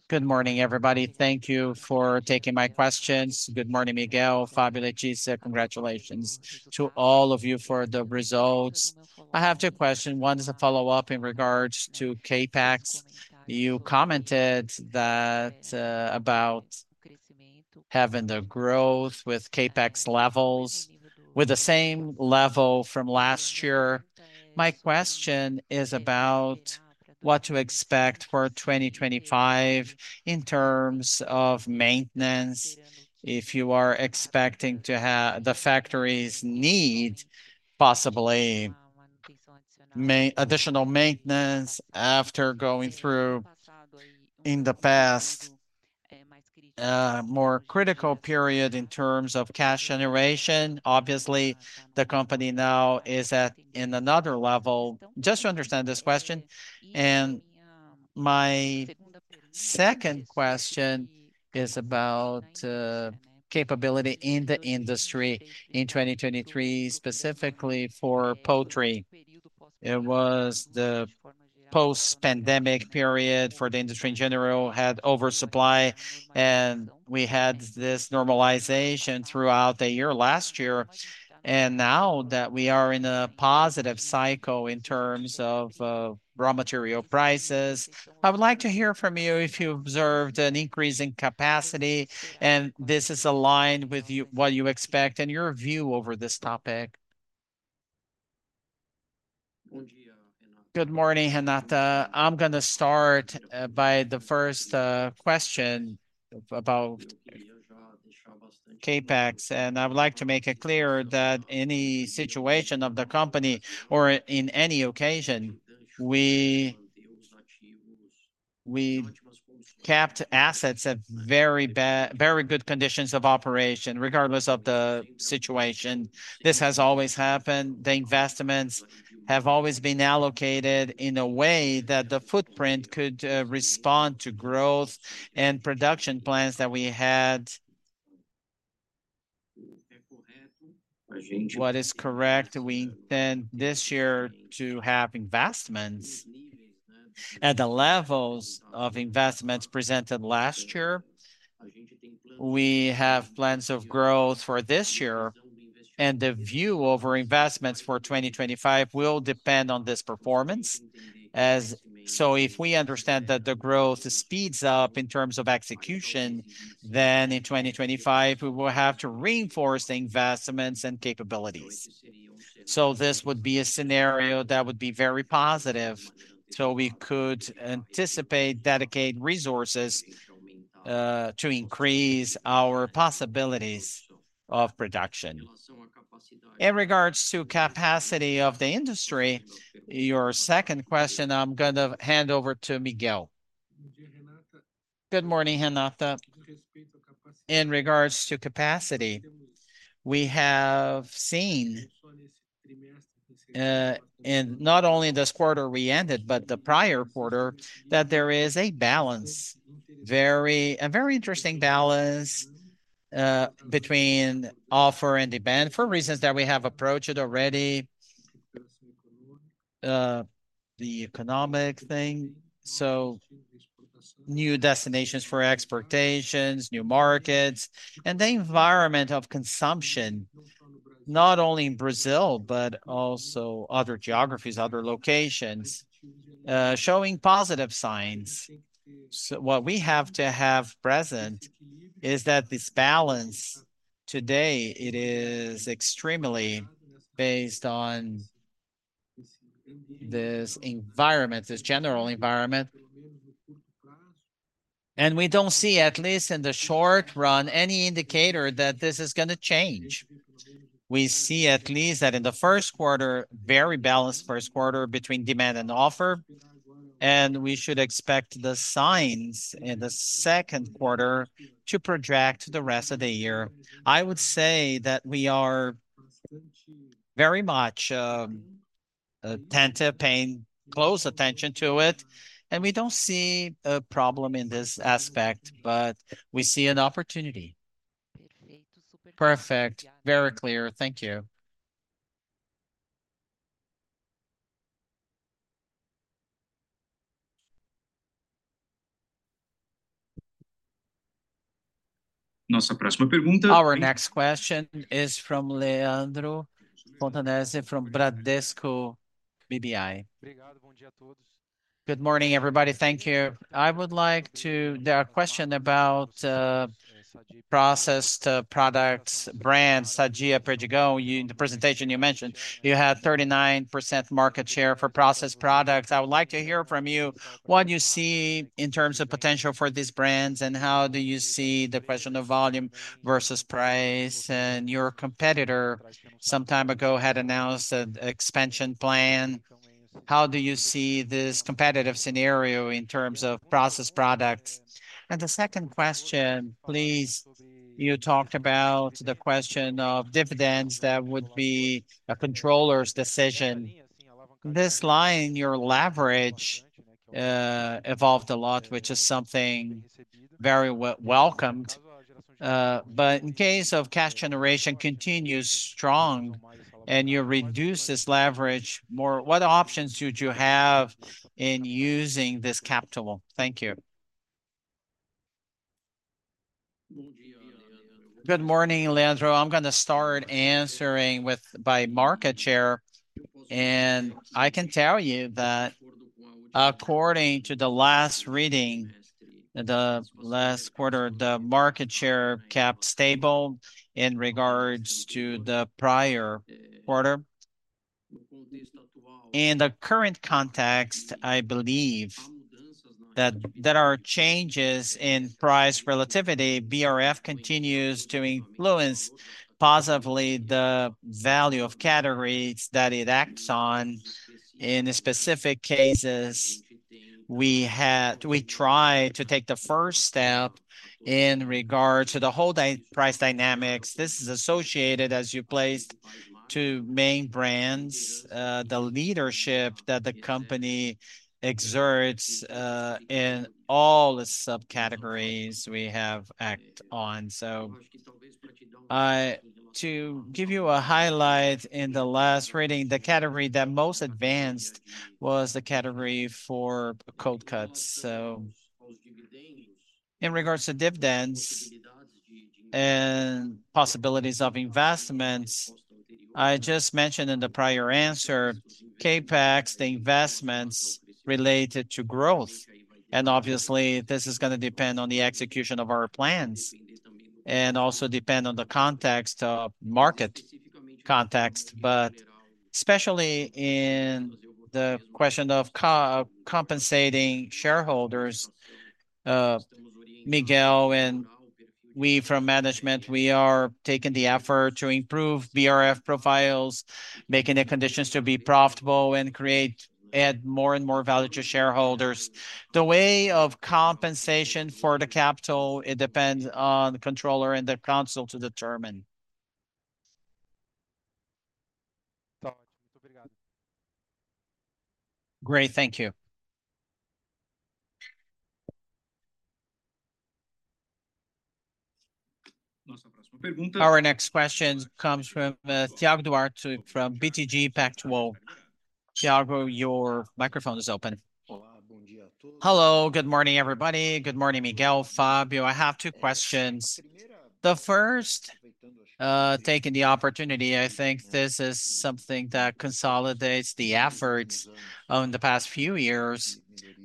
Good morning, everybody. Thank you for taking my questions. Good morning, Miguel. Fabio, Leticia, congratulations to all of you for the results. I have two questions. One is a follow-up in regards to CapEx. You commented that about having the growth with CapEx levels with the same level from last year. My question is about what to expect for 2025 in terms of maintenance. If you are expecting to have the factories need possibly additional maintenance after going through in the past a more critical period in terms of cash generation. Obviously, the company now is at another level. Just to understand this question. And my second question is about capability in the industry in 2023, specifically for poultry. It was the post-pandemic period for the industry in general that had oversupply, and we had this normalization throughout the year last year. Now that we are in a positive cycle in terms of raw material prices, I would like to hear from you if you observed an increase in capacity and this is aligned with what you expect and your view over this topic. Good morning, Renata. I'm going to start by the first question about CapEx. I would like to make it clear that in any situation of the company or in any occasion, we kept assets in very good conditions of operation regardless of the situation. This has always happened. The investments have always been allocated in a way that the footprint could respond to growth and production plans that we had. What is correct? We intend this year to have investments at the levels of investments presented last year. We have plans of growth for this year. The view over investments for 2025 will depend on this performance. As such, if we understand that the growth speeds up in terms of execution, then in 2025 we will have to reinforce the investments and capabilities. This would be a scenario that would be very positive. We could anticipate dedicating resources to increase our possibilities of production. In regards to capacity of the industry, your second question, I'm going to hand over to Miguel. Good morning, Renata. In regards to capacity, we have seen in not only this quarter we ended, but the prior quarter that there is a very interesting balance between offer and demand for reasons that we have approached it already. The economic thing. So, new destinations for exportations, new markets, and the environment of consumption, not only in Brazil, but also other geographies, other locations, showing positive signs. So what we have to have present is that this balance today, it is extremely based on this environment, this general environment. And we don't see, at least in the short run, any indicator that this is going to change. We see at least that in the first quarter, very balanced first quarter between demand and offer. And we should expect the signs in the second quarter to project to the rest of the year. I would say that we are very much attentive, paying close attention to it. And we don't see a problem in this aspect, but we see an opportunity. Perfect. Very clear. Thank you. Our next question is from Leandro Fontanesi from Bradesco BBI. Good morning, everybody. Thank you. I would like to. There are questions about processed products, brands, Sadia, Perdigão. In the presentation, you mentioned you had 39% market share for processed products. I would like to hear from you what you see in terms of potential for these brands and how do you see the question of volume versus price? And your competitor some time ago had announced an expansion plan. How do you see this competitive scenario in terms of processed products? And the second question, please. You talked about the question of dividends that would be a controller's decision. This line, your leverage evolved a lot, which is something very welcomed. But in case of cash generation continues strong and you reduce this leverage more, what options would you have in using this capital? Thank you. Good morning, Leandro. I'm going to start answering with by market share. And I can tell you that according to the last reading, the last quarter, the market share kept stable in regards to the prior quarter. In the current context, I believe that there are changes in price relativity. BRF continues to influence positively the value of categories that it acts on. In specific cases, we try to take the first step in regard to the whole price dynamics. This is associated, as you placed, to main brands, the leadership that the company exerts in all the subcategories we act on. So to give you a highlight in the last reading, the category that most advanced was the category for cold cuts. So in regards to dividends and possibilities of investments, I just mentioned in the prior answer, CapEx, the investments related to growth. And obviously this is going to depend on the execution of our plans and also depend on the context of market context, but especially in the question of compensating shareholders. Miguel and we from management, we are taking the effort to improve BRF profiles, making the conditions to be profitable and create add more and more value to shareholders. The way of compensation for the capital, it depends on the controller and the council to determine. Great. Thank you. Our next question comes from Thiago Duarte from BTG Pactual. Thiago, your microphone is open. Hello. Good morning, everybody. Good morning, Miguel. Fabio, I have two questions. The first, taking the opportunity, I think this is something that consolidates the efforts in the past few years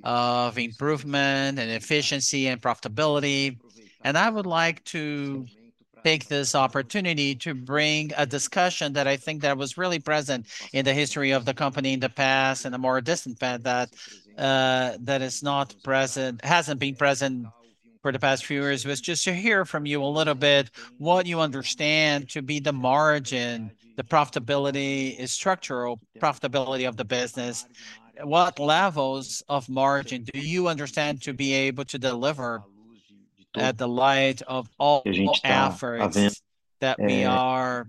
of improvement and efficiency and profitability. I would like to take this opportunity to bring a discussion that I think that was really present in the history of the company in the past and a more distant fact that is not present, hasn't been present for the past few years, was just to hear from you a little bit what you understand to be the margin, the profitability, the structural profitability of the business. What levels of margin do you understand to be able to deliver at the light of all efforts that we are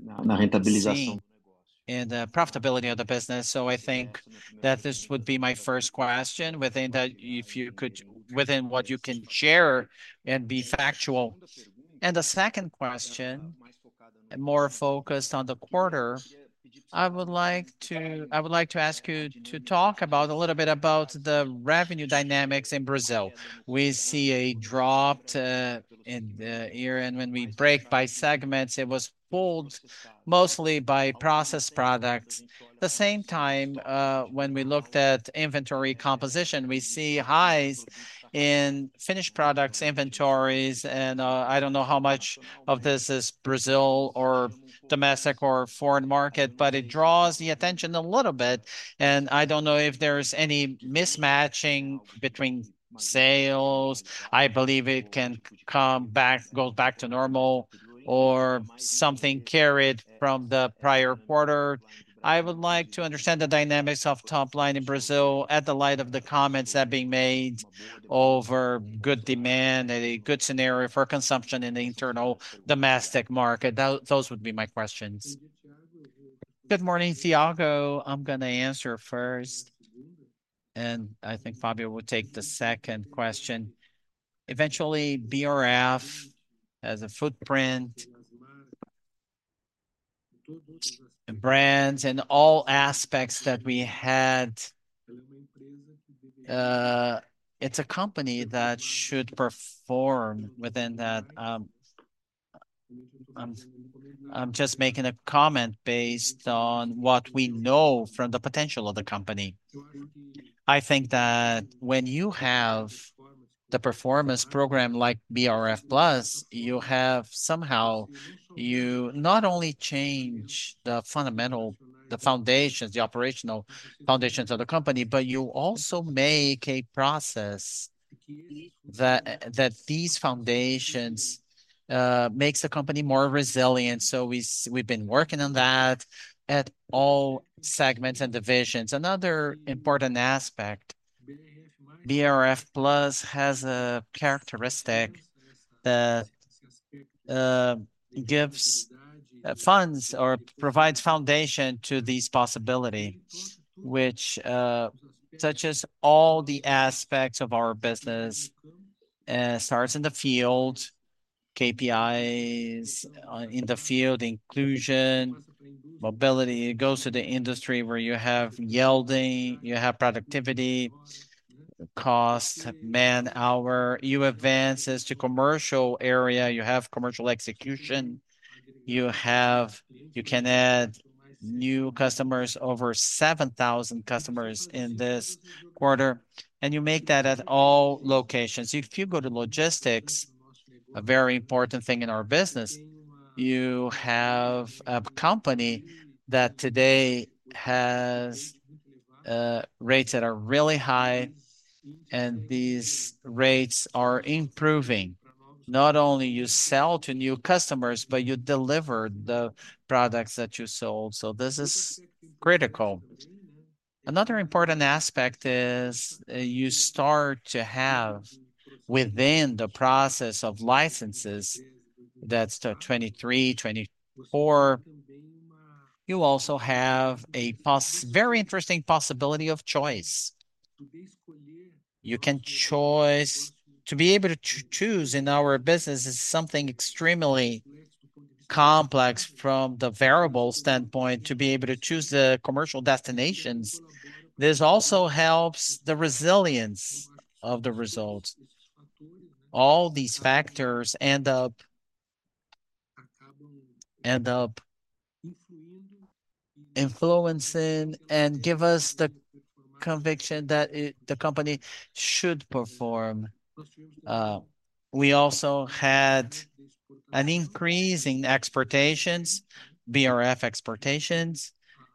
in the profitability of the business? So I think that this would be my first question within that, if you could, within what you can share and be factual. The second question, more focused on the quarter, I would like to I would like to ask you to talk about a little bit about the revenue dynamics in Brazil. We see a drop in the year. When we break by segments, it was pulled mostly by processed products. At the same time, when we looked at inventory composition, we see highs in finished products inventories. I don't know how much of this is Brazil or domestic or foreign market, but it draws the attention a little bit. I don't know if there's any mismatching between sales. I believe it can come back, go back to normal or something carried from the prior quarter. I would like to understand the dynamics of top line in Brazil in the light of the comments that are being made over good demand and a good scenario for consumption in the internal domestic market. Those would be my questions. Good morning, Thiago. I'm going to answer first. I think Fabio will take the second question. Eventually, BRF has a footprint. Brands and all aspects that we had. It's a company that should perform within that. I'm just making a comment based on what we know from the potential of the company. I think that when you have the performance program like BRF+, you have somehow you not only change the fundamental, the foundations, the operational foundations of the company, but you also make a process that these foundations makes the company more resilient. So we've been working on that at all segments and divisions. Another important aspect. BRF+ has a characteristic that gives funds or provides foundation to this possibility, which, such as all the aspects of our business, starts in the field, KPIs in the field, inclusion, mobility. It goes to the industry where you have yielding, you have productivity, cost, man-hour. You advance as to commercial area, you have commercial execution, you have you can add new customers, over 7,000 customers in this quarter, and you make that at all locations. If you go to logistics, a very important thing in our business, you have a company that today has rates that are really high and these rates are improving. Not only you sell to new customers, but you deliver the products that you sold. So this is critical. Another important aspect is you start to have within the process of licenses that's 2023, 2024. You also have a very interesting possibility of choice. You can choose to be able to choose in our business is something extremely complex from the variable standpoint to be able to choose the commercial destinations. This also helps the resilience of the results. All these factors end up influencing and give us the conviction that the company should perform. We also had an increase in exportations, BRF exportations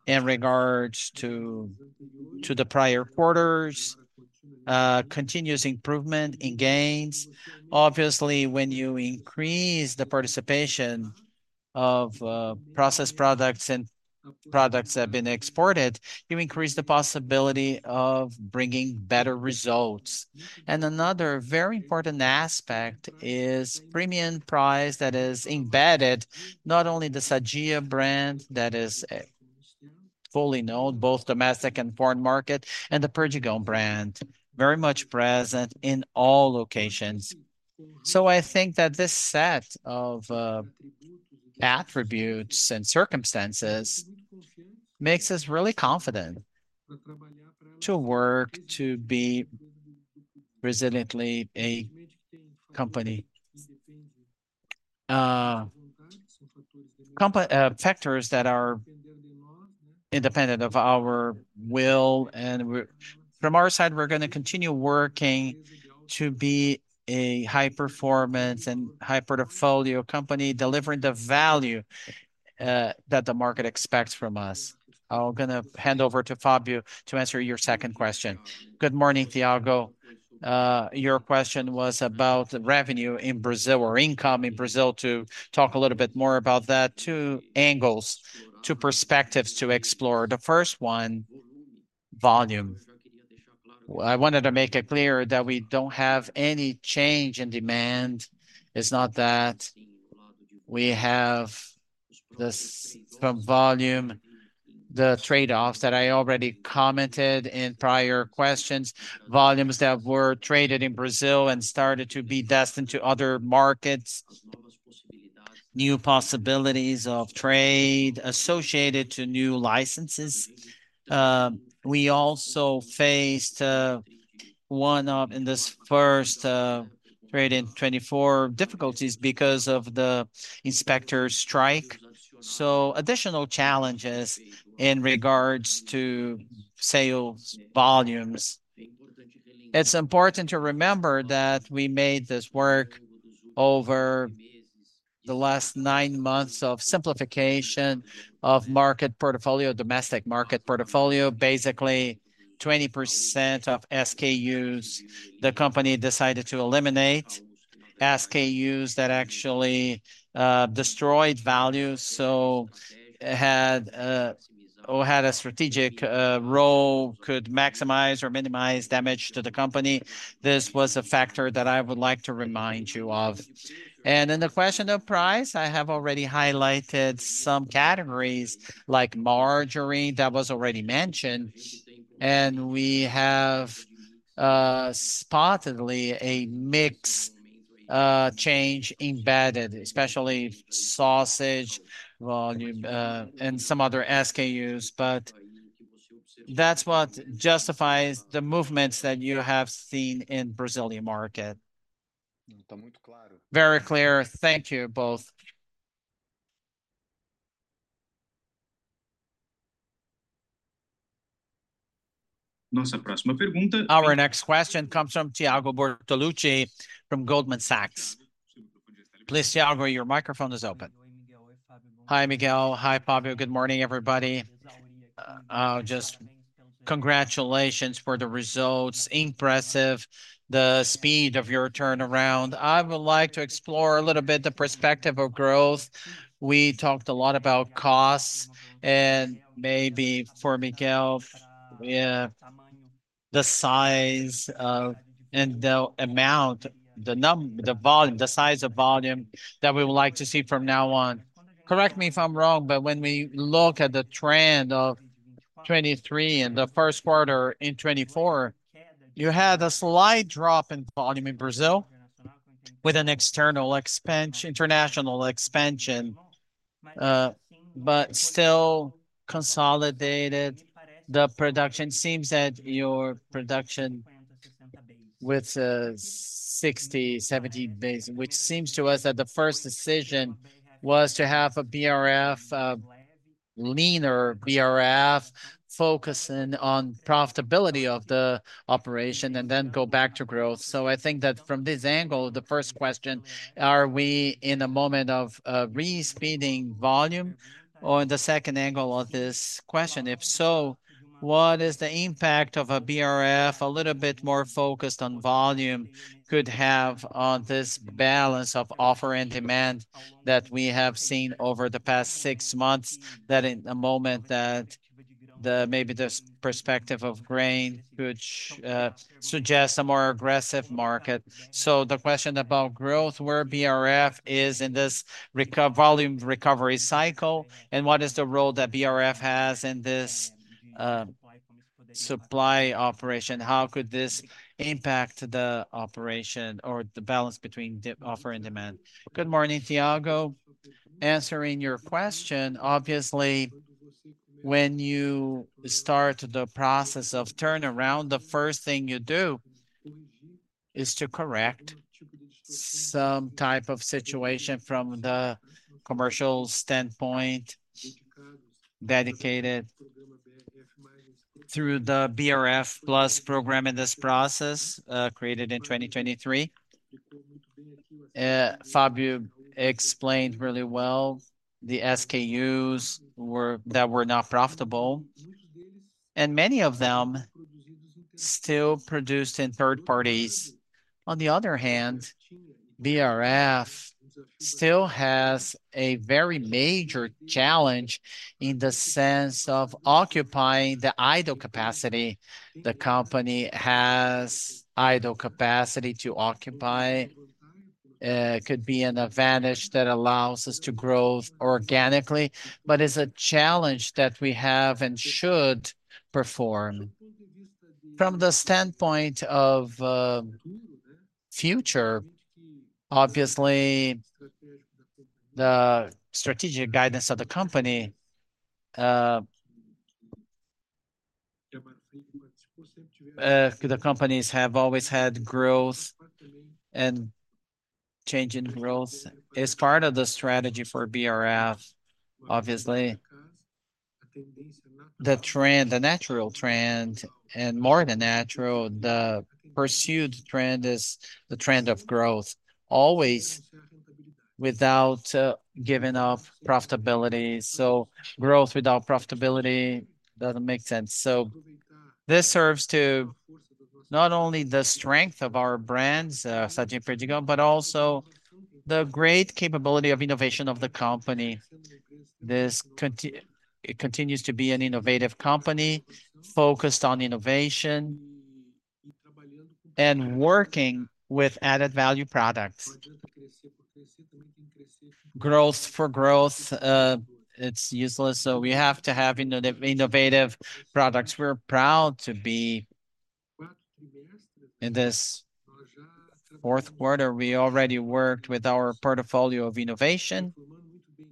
in regards to the prior quarters, continuous improvement in gains. Obviously, when you increase the participation of processed products and products that have been exported, you increase the possibility of bringing better results. Another very important aspect is premium price that is embedded not only the Sadia brand that is fully known, both domestic and foreign market, and the Perdigão brand very much present in all locations. So I think that this set of attributes and circumstances makes us really confident to work, to be resiliently a company. Factors that are independent of our will. From our side, we're going to continue working to be a high performance and high portfolio company delivering the value that the market expects from us. I'm going to hand over to Fabio to answer your second question. Good morning, Thiago. Your question was about revenue in Brazil or income in Brazil. To talk a little bit more about that, two angles, two perspectives to explore. The first one, volume. I wanted to make it clear that we don't have any change in demand. It's not that we have this volume, the trade-offs that I already commented in prior questions, volumes that were traded in Brazil and started to be destined to other markets. New possibilities of trade associated to new licenses. We also faced one-off in this first quarter in 2024 difficulties because of the inspector strike. So additional challenges in regards to sales volumes. It's important to remember that we made this work over the last nine months of simplification of market portfolio, domestic market portfolio, basically 20% of SKUs the company decided to eliminate SKUs that actually destroyed value. So it had or had a strategic role could maximize or minimize damage to the company. This was a factor that I would like to remind you of. And in the question of price, I have already highlighted some categories like margarine that was already mentioned. And we have sporadically a mix change embedded, especially sausage volume and some other SKUs. But that's what justifies the movements that you have seen in Brazilian market. Very clear. Thank you both. Our next question comes from Thiago Bortolucci from Goldman Sachs. Please, Thiago, your microphone is open. Hi, Miguel. Hi, Fabio. Good morning, everybody. Just congratulations for the results. Impressive the speed of your turnaround. I would like to explore a little bit the perspective of growth. We talked a lot about costs and maybe for Miguel, the size of and the amount, the number, the volume, the size of volume that we would like to see from now on. Correct me if I'm wrong, but when we look at the trend of 2023 and the first quarter in 2024, you had a slight drop in volume in Brazil with an external expansion, international expansion, but still consolidated the production. Seems that your production with 60, 70 base, which seems to us that the first decision was to have a BRF, a leaner BRF focusing on profitability of the operation and then go back to growth. So I think that from this angle, the first question, are we in a moment of re-speeding volume? Or in the second angle of this question, if so, what is the impact of a BRF a little bit more focused on volume could have on this balance of offer and demand that we have seen over the past six months that in a moment that maybe this perspective of grain could suggest a more aggressive market? So the question about growth where BRF is in this volume recovery cycle and what is the role that BRF has in this supply operation? How could this impact the operation or the balance between offer and demand? Good morning, Thiago. Answering your question, obviously when you start the process of turnaround, the first thing you do is to correct some type of situation from the commercial standpoint dedicated through the BRF+ program in this process created in 2023. Fabio explained really well the SKUs that were not profitable and many of them still produced in third parties. On the other hand, BRF still has a very major challenge in the sense of occupying the idle capacity. The company has idle capacity to occupy. It could be an advantage that allows us to grow organically, but it's a challenge that we have and should perform from the standpoint of future. Obviously, the strategic guidance of the company. The companies have always had growth and change in growth is part of the strategy for BRF. Obviously, the trend, the natural trend and more than natural, the pursued trend is the trend of growth always without giving up profitability. So growth without profitability doesn't make sense. So this serves to not only the strength of our brands, such as Perdigão, but also the great capability of innovation of the company. This continues to be an innovative company focused on innovation and working with added value products. Growth for growth. It's useless. So we have to have innovative products. We're proud to be in this fourth quarter. We already worked with our portfolio of innovation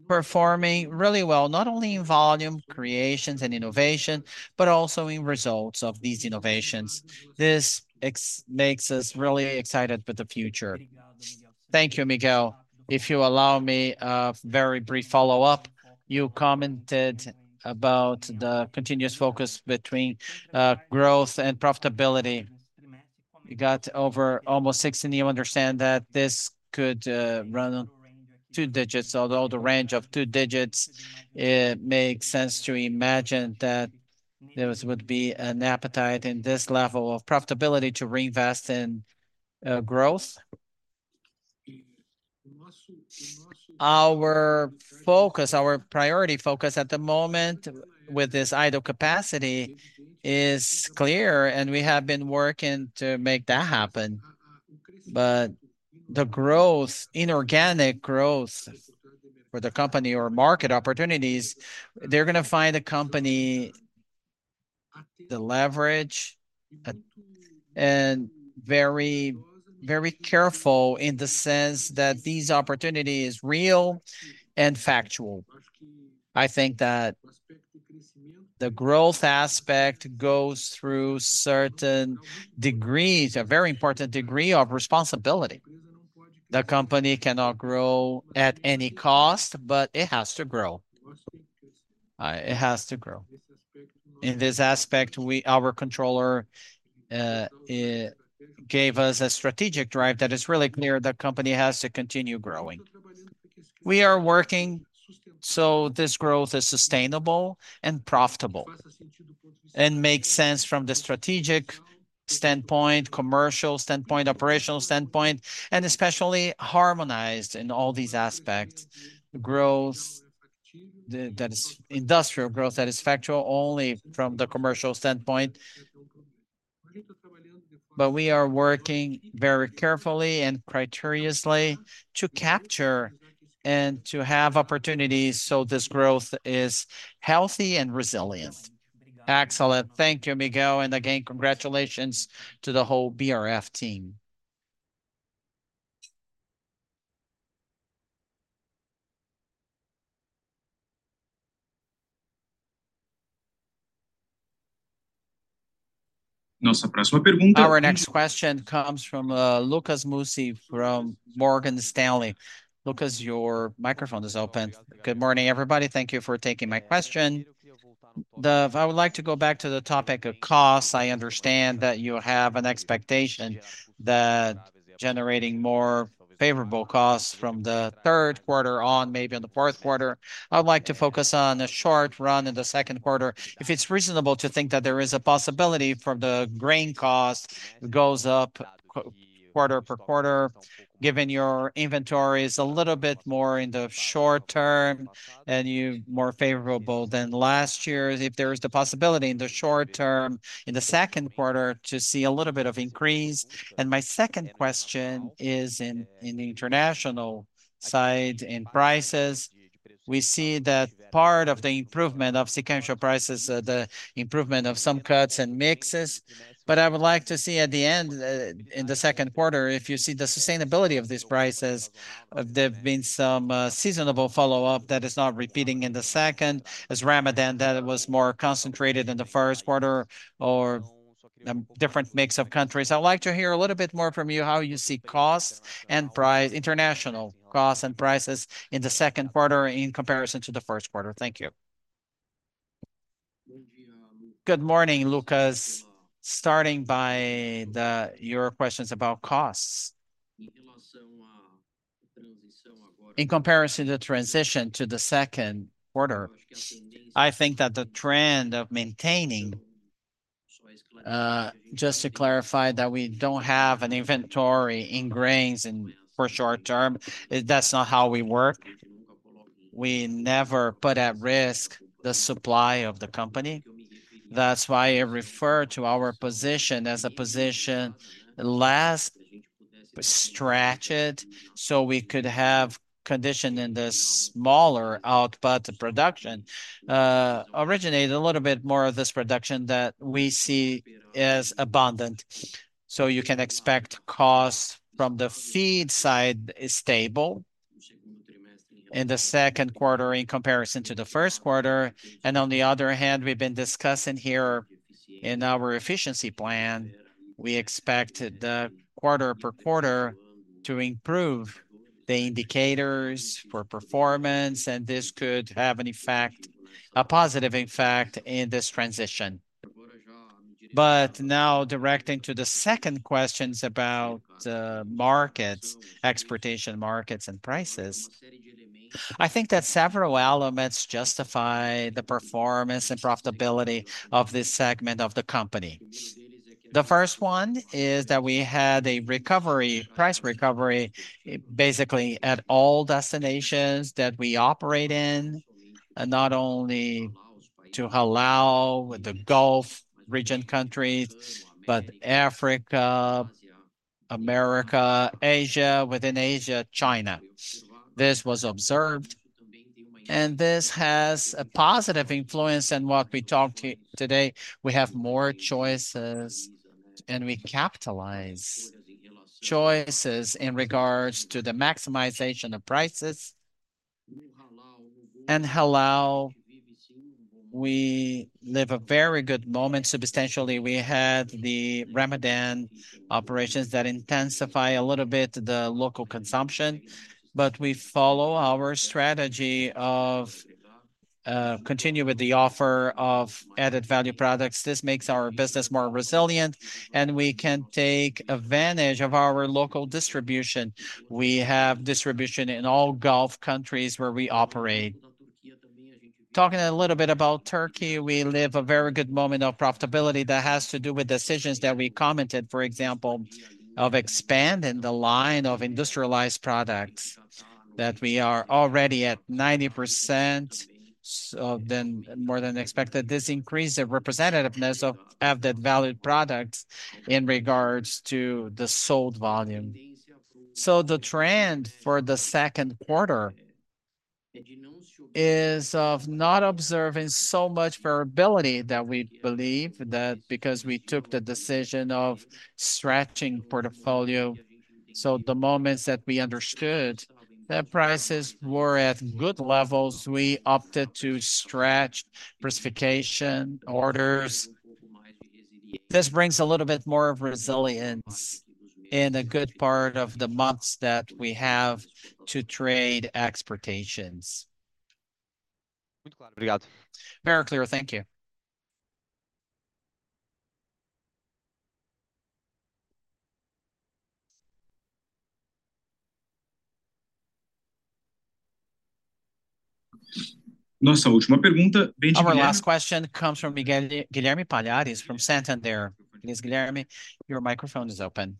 performing really well, not only in volume creations and innovation, but also in results of these innovations. This makes us really excited with the future. Thank you, Miguel. If you allow me a very brief follow-up, you commented about the continuous focus between growth and profitability. You got over almost 60. You understand that this could run on two digits, although the range of two digits makes sense to imagine that there would be an appetite in this level of profitability to reinvest in growth. Our focus, our priority focus at the moment with this idle capacity is clear and we have been working to make that happen. But the growth, inorganic growth for the company or market opportunities, they're going to find a company, the leverage and very, very careful in the sense that these opportunities are real and factual. I think that the growth aspect goes through certain degrees, a very important degree of responsibility. The company cannot grow at any cost, but it has to grow. It has to grow. In this aspect, our controller gave us a strategic drive that is really clear. The company has to continue growing. We are working so this growth is sustainable and profitable and makes sense from the strategic standpoint, commercial standpoint, operational standpoint, and especially harmonized in all these aspects. Growth that is industrial growth that is factual only from the commercial standpoint. But we are working very carefully and critically to capture and to have opportunities so this growth is healthy and resilient. Excellent. Thank you, Miguel. And again, congratulations to the whole BRF team. Our next question comes from Lucas Mussi from Morgan Stanley. Lucas, your microphone is open. Good morning, everybody. Thank you for taking my question. I would like to go back to the topic of costs. I understand that you have an expectation that generating more favorable costs from the third quarter on, maybe on the fourth quarter. I would like to focus on a short run in the second quarter. If it's reasonable to think that there is a possibility for the grain cost goes up quarter per quarter, given your inventory is a little bit more in the short term and you're more favorable than last year, if there is the possibility in the short term in the second quarter to see a little bit of increase. My second question is in the international side in prices. We see that part of the improvement of sequential prices, the improvement of some cuts and mixes. But I would like to see at the end in the second quarter, if you see the sustainability of these prices, there have been some seasonal follow-up that is not repeating in the second as Ramadan, that was more concentrated in the first quarter or a different mix of countries. I would like to hear a little bit more from you, how you see costs and price, international costs and prices in the second quarter in comparison to the first quarter. Thank you. Good morning, Lucas. Starting by your questions about costs. In comparison to the transition to the second quarter, I think that the trend of maintaining. Just to clarify that we don't have an inventory in grains for short term, that's not how we work. We never put at risk the supply of the company. That's why I refer to our position as a position less stretched so we could have condition in the smaller output, the production originate a little bit more of this production that we see as abundant. So you can expect costs from the feed side is stable in the second quarter in comparison to the first quarter. On the other hand, we've been discussing here in our efficiency plan, we expect quarter-over-quarter to improve the indicators for performance and this could have an effect, a positive effect in this transition. But now directing to the second questions about the markets, exportation markets and prices, I think that several elements justify the performance and profitability of this segment of the company. The first one is that we had a recovery, price recovery basically at all destinations that we operate in, not only the Gulf region countries, but Africa, Americas, Asia, within Asia, China. This was observed and this has a positive influence on what we talked today. We have more choices and we capitalize choices in regards to the maximization of prices. And we live a very good moment. Substantially, we had the Ramadan operations that intensify a little bit the local consumption, but we follow our strategy of continuing with the offer of added value products. This makes our business more resilient and we can take advantage of our local distribution. We have distribution in all Gulf countries where we operate. Talking a little bit about Turkey, we live a very good moment of profitability that has to do with decisions that we commented, for example, of expanding the line of industrialized products that we are already at 90% more than expected. This increased the representativeness of added value products in regards to the sold volume. So the trend for the second quarter is of not observing so much variability that we believe that because we took the decision of stretching portfolio. So the moments that we understood that prices were at good levels, we opted to stretch price fixation orders. This brings a little bit more of resilience in a good part of the months that we have to trade exportations. Very clear. Thank you. Our last question comes from Guilherme Palhares from Santander. Please, Guilherme, your microphone is open.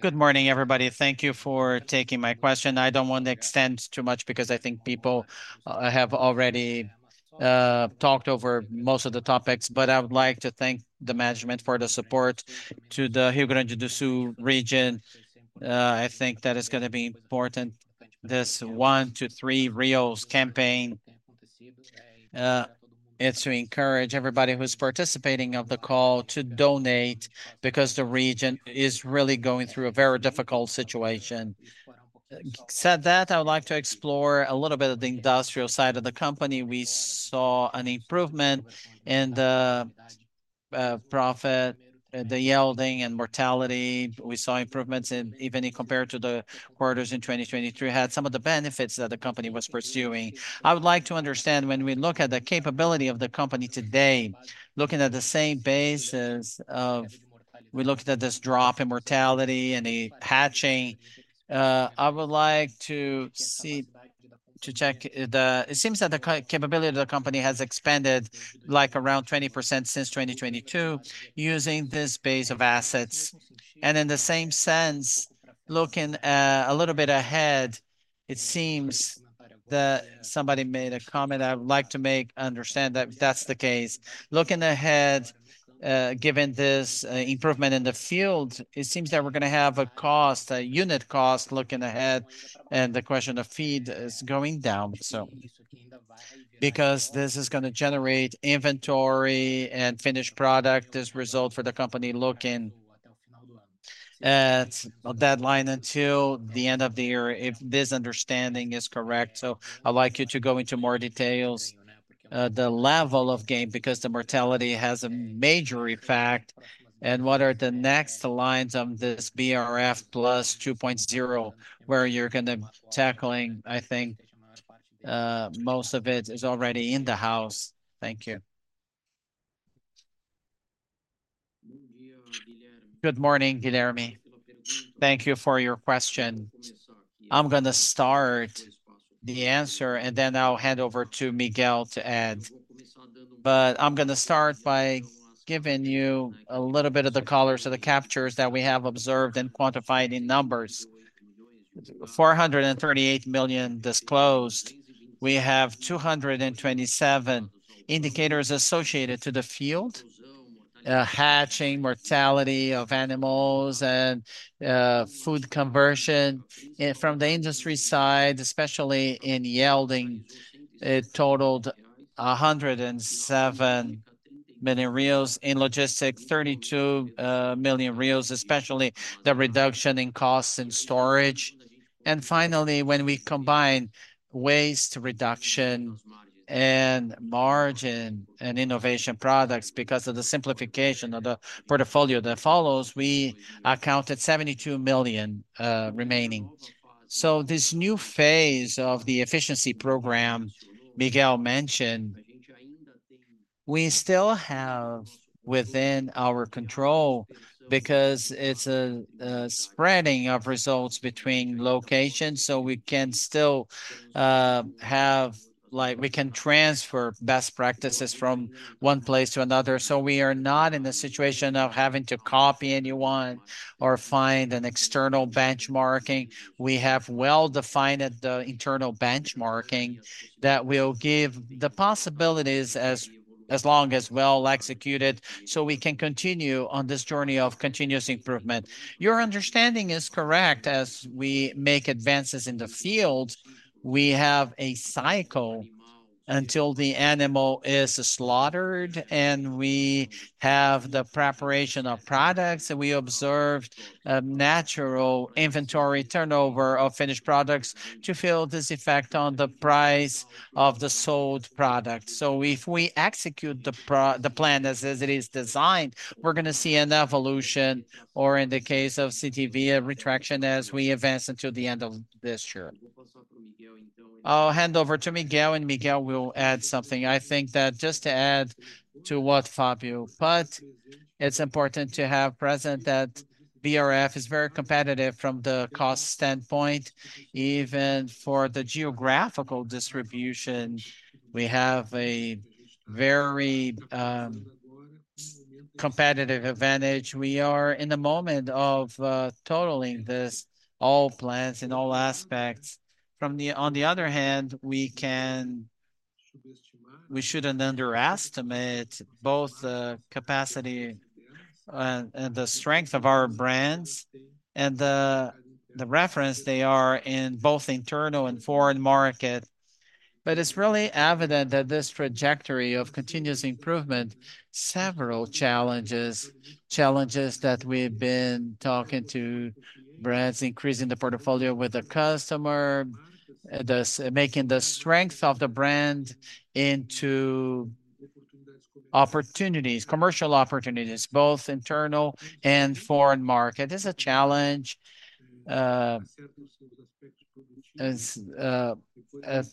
Good morning, everybody. Thank you for taking my question. I don't want to extend too much because I think people have already talked over most of the topics, but I would like to thank the management for the support to the Rio Grande do Sul region. I think that is going to be important. This 1 to 3 Rios campaign. It's to encourage everybody who's participating in the call to donate because the region is really going through a very difficult situation. That said, I would like to explore a little bit of the industrial side of the company. We saw an improvement in the profit, the yield and mortality. We saw improvements even compared to the quarters in 2023, had some of the benefits that the company was pursuing. I would like to understand when we look at the capability of the company today, looking at the same basis as we looked at this drop in mortality and the hatching, I would like to see to check if it seems that the capability of the company has expanded like around 20% since 2022 using this base of assets. In the same sense, looking a little bit ahead, it seems that somebody made a comment. I would like to make understand that if that's the case, looking ahead, given this improvement in the field, it seems that we're going to have a cost, a unit cost looking ahead and the question of feed is going down. So because this is going to generate inventory and finished product, this result for the company looking at a deadline until the end of the year, if this understanding is correct. So I would like you to go into more details, the level of game because the mortality has a major effect and what are the next lines on this BRF+ 2.0 where you're going to be tackling, I think most of it is already in the house. Thank you. Good morning, Guilherme. Thank you for your question. I'm going to start the answer and then I'll hand over to Miguel to add. But I'm going to start by giving you a little bit of the colors of the captures that we have observed and quantified in numbers. 438 million disclosed. We have 227 indicators associated to the field, hatching, mortality of animals and feed conversion from the industry side, especially in yielding. It totaled 107 million in logistics, 32 million, especially the reduction in costs in storage. And finally, when we combine waste reduction and margin and innovation products because of the simplification of the portfolio that follows, we accounted 72 million remaining. So this new phase of the efficiency program Miguel mentioned. We still have within our control because it's a spreading of results between locations. So we can still have like we can transfer best practices from one place to another. So we are not in a situation of having to copy anyone or find an external benchmarking. We have well-defined internal benchmarking that will give the possibilities as long as well executed so we can continue on this journey of continuous improvement. Your understanding is correct as we make advances in the field, we have a cycle until the animal is slaughtered and we have the preparation of products and we observed a natural inventory turnover of finished products to feel this effect on the price of the sold product. So if we execute the plan as it is designed, we're going to see an evolution or in the case of seasonality, retraction as we advance until the end of this year. I'll hand over to Miguel and Miguel will add something. I think that just to add to what Fabio, but it's important to have present that BRF is very competitive from the cost standpoint, even for the geographical distribution, we have a very competitive advantage. We are in the moment of totaling this all plans in all aspects. On the other hand, we can. We shouldn't underestimate both the capacity and the strength of our brands and the reference they are in both internal and foreign market. But it's really evident that this trajectory of continuous improvement, several challenges, challenges that we've been talking to brands, increasing the portfolio with the customer, making the strength of the brand into opportunities, commercial opportunities, both internal and foreign market is a challenge.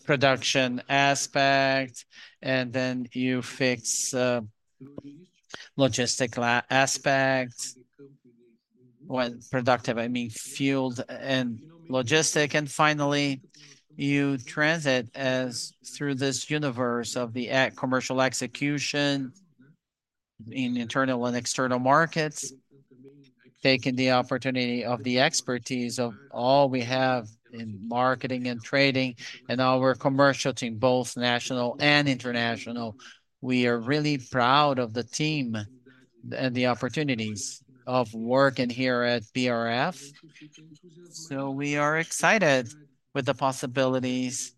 Production aspect and then you fix. Logistic aspects. When productive, I mean field and logistic. And finally, you transit as through this universe of the commercial execution. In internal and external markets, taking the opportunity of the expertise of all we have in marketing and trading and our commercial team, both national and international, we are really proud of the team and the opportunities of working here at BRF. So we are excited with the possibilities.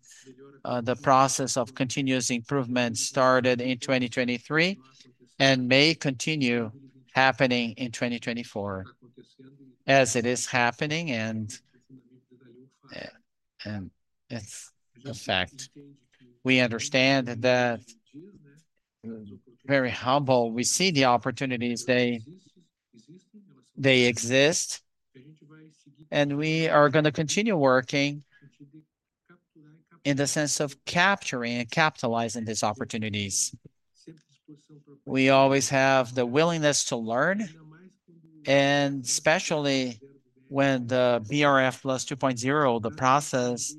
The process of continuous improvement started in 2023 and may continue happening in 2024 as it is happening. And it's a fact. We understand that. Very humble. We see the opportunities. They exist, and we are going to continue working. In the sense of capturing and capitalizing these opportunities. We always have the willingness to learn. And especially when the BRF+ 2.0, the process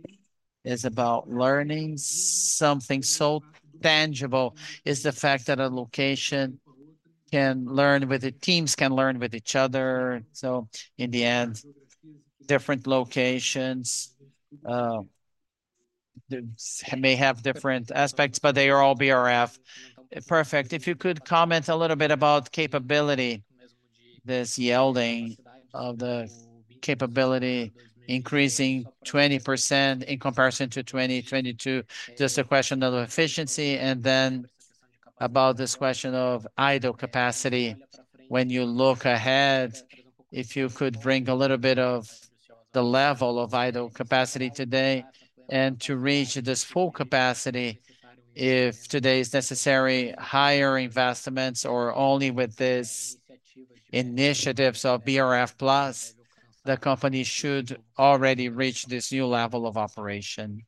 is about learning something so tangible is the fact that a location can learn with the teams can learn with each other. So in the end, different locations. may have different aspects, but they are all BRF. Perfect. If you could comment a little bit about capacity, this yielding of the capacity increasing 20% in comparison to 2022, just a question of efficiency and then about this question of idle capacity. When you look ahead, if you could bring a little bit of the level of idle capacity today and to reach this full capacity, if today is necessary, higher investments or only with this initiatives of BRF+, the company should already reach this new level of operation.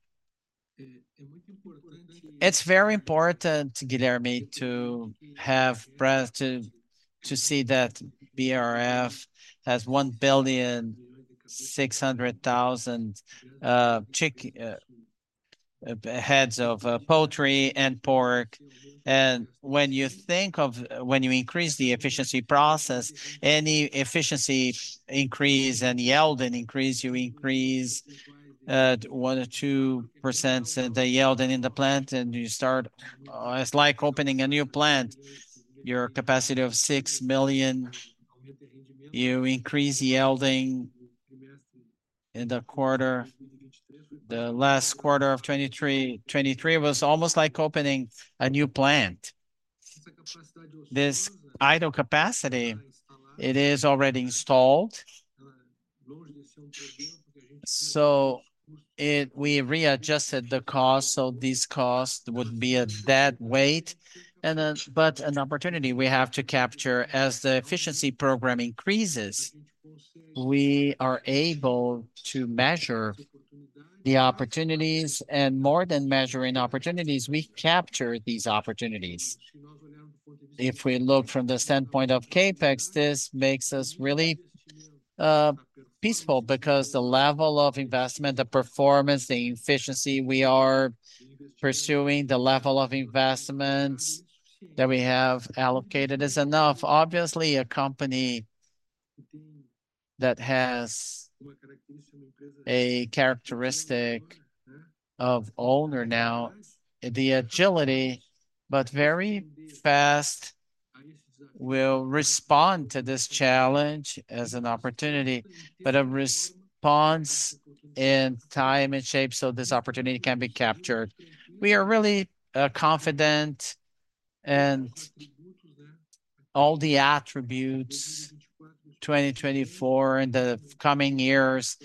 It's very important, Guilherme, to have breadth to see that BRF has 1.6 billion heads of chicken, poultry and pork. And when you think of when you increase the efficiency process, any efficiency increase and yielding increase, you increase 1% or 2% in the yielding in the plant and you start; it's like opening a new plant. Our capacity of 6 million. You increase yielding. In the quarter. The last quarter of 2023 was almost like opening a new plant. This idle capacity, it is already installed. So we readjusted the cost. So these costs would be a dead weight and then but an opportunity we have to capture as the efficiency program increases, we are able to measure the opportunities and more than measuring opportunities, we capture these opportunities. If we look from the standpoint of CapEx, this makes us really peaceful because the level of investment, the performance, the efficiency we are pursuing, the level of investments that we have allocated is enough. Obviously, a company that has a characteristic of ownership, the agility, but very fast will respond to this challenge as an opportunity, but a response in time and shape so this opportunity can be captured. We are really confident and. All the attributes, 2024 and the coming years,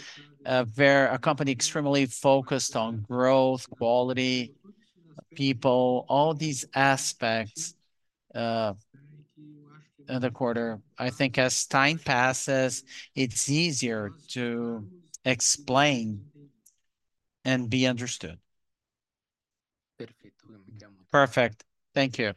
of a company extremely focused on growth, quality, people, all these aspects. In the quarter, I think as time passes, it's easier to explain and be understood. Perfect. Thank you.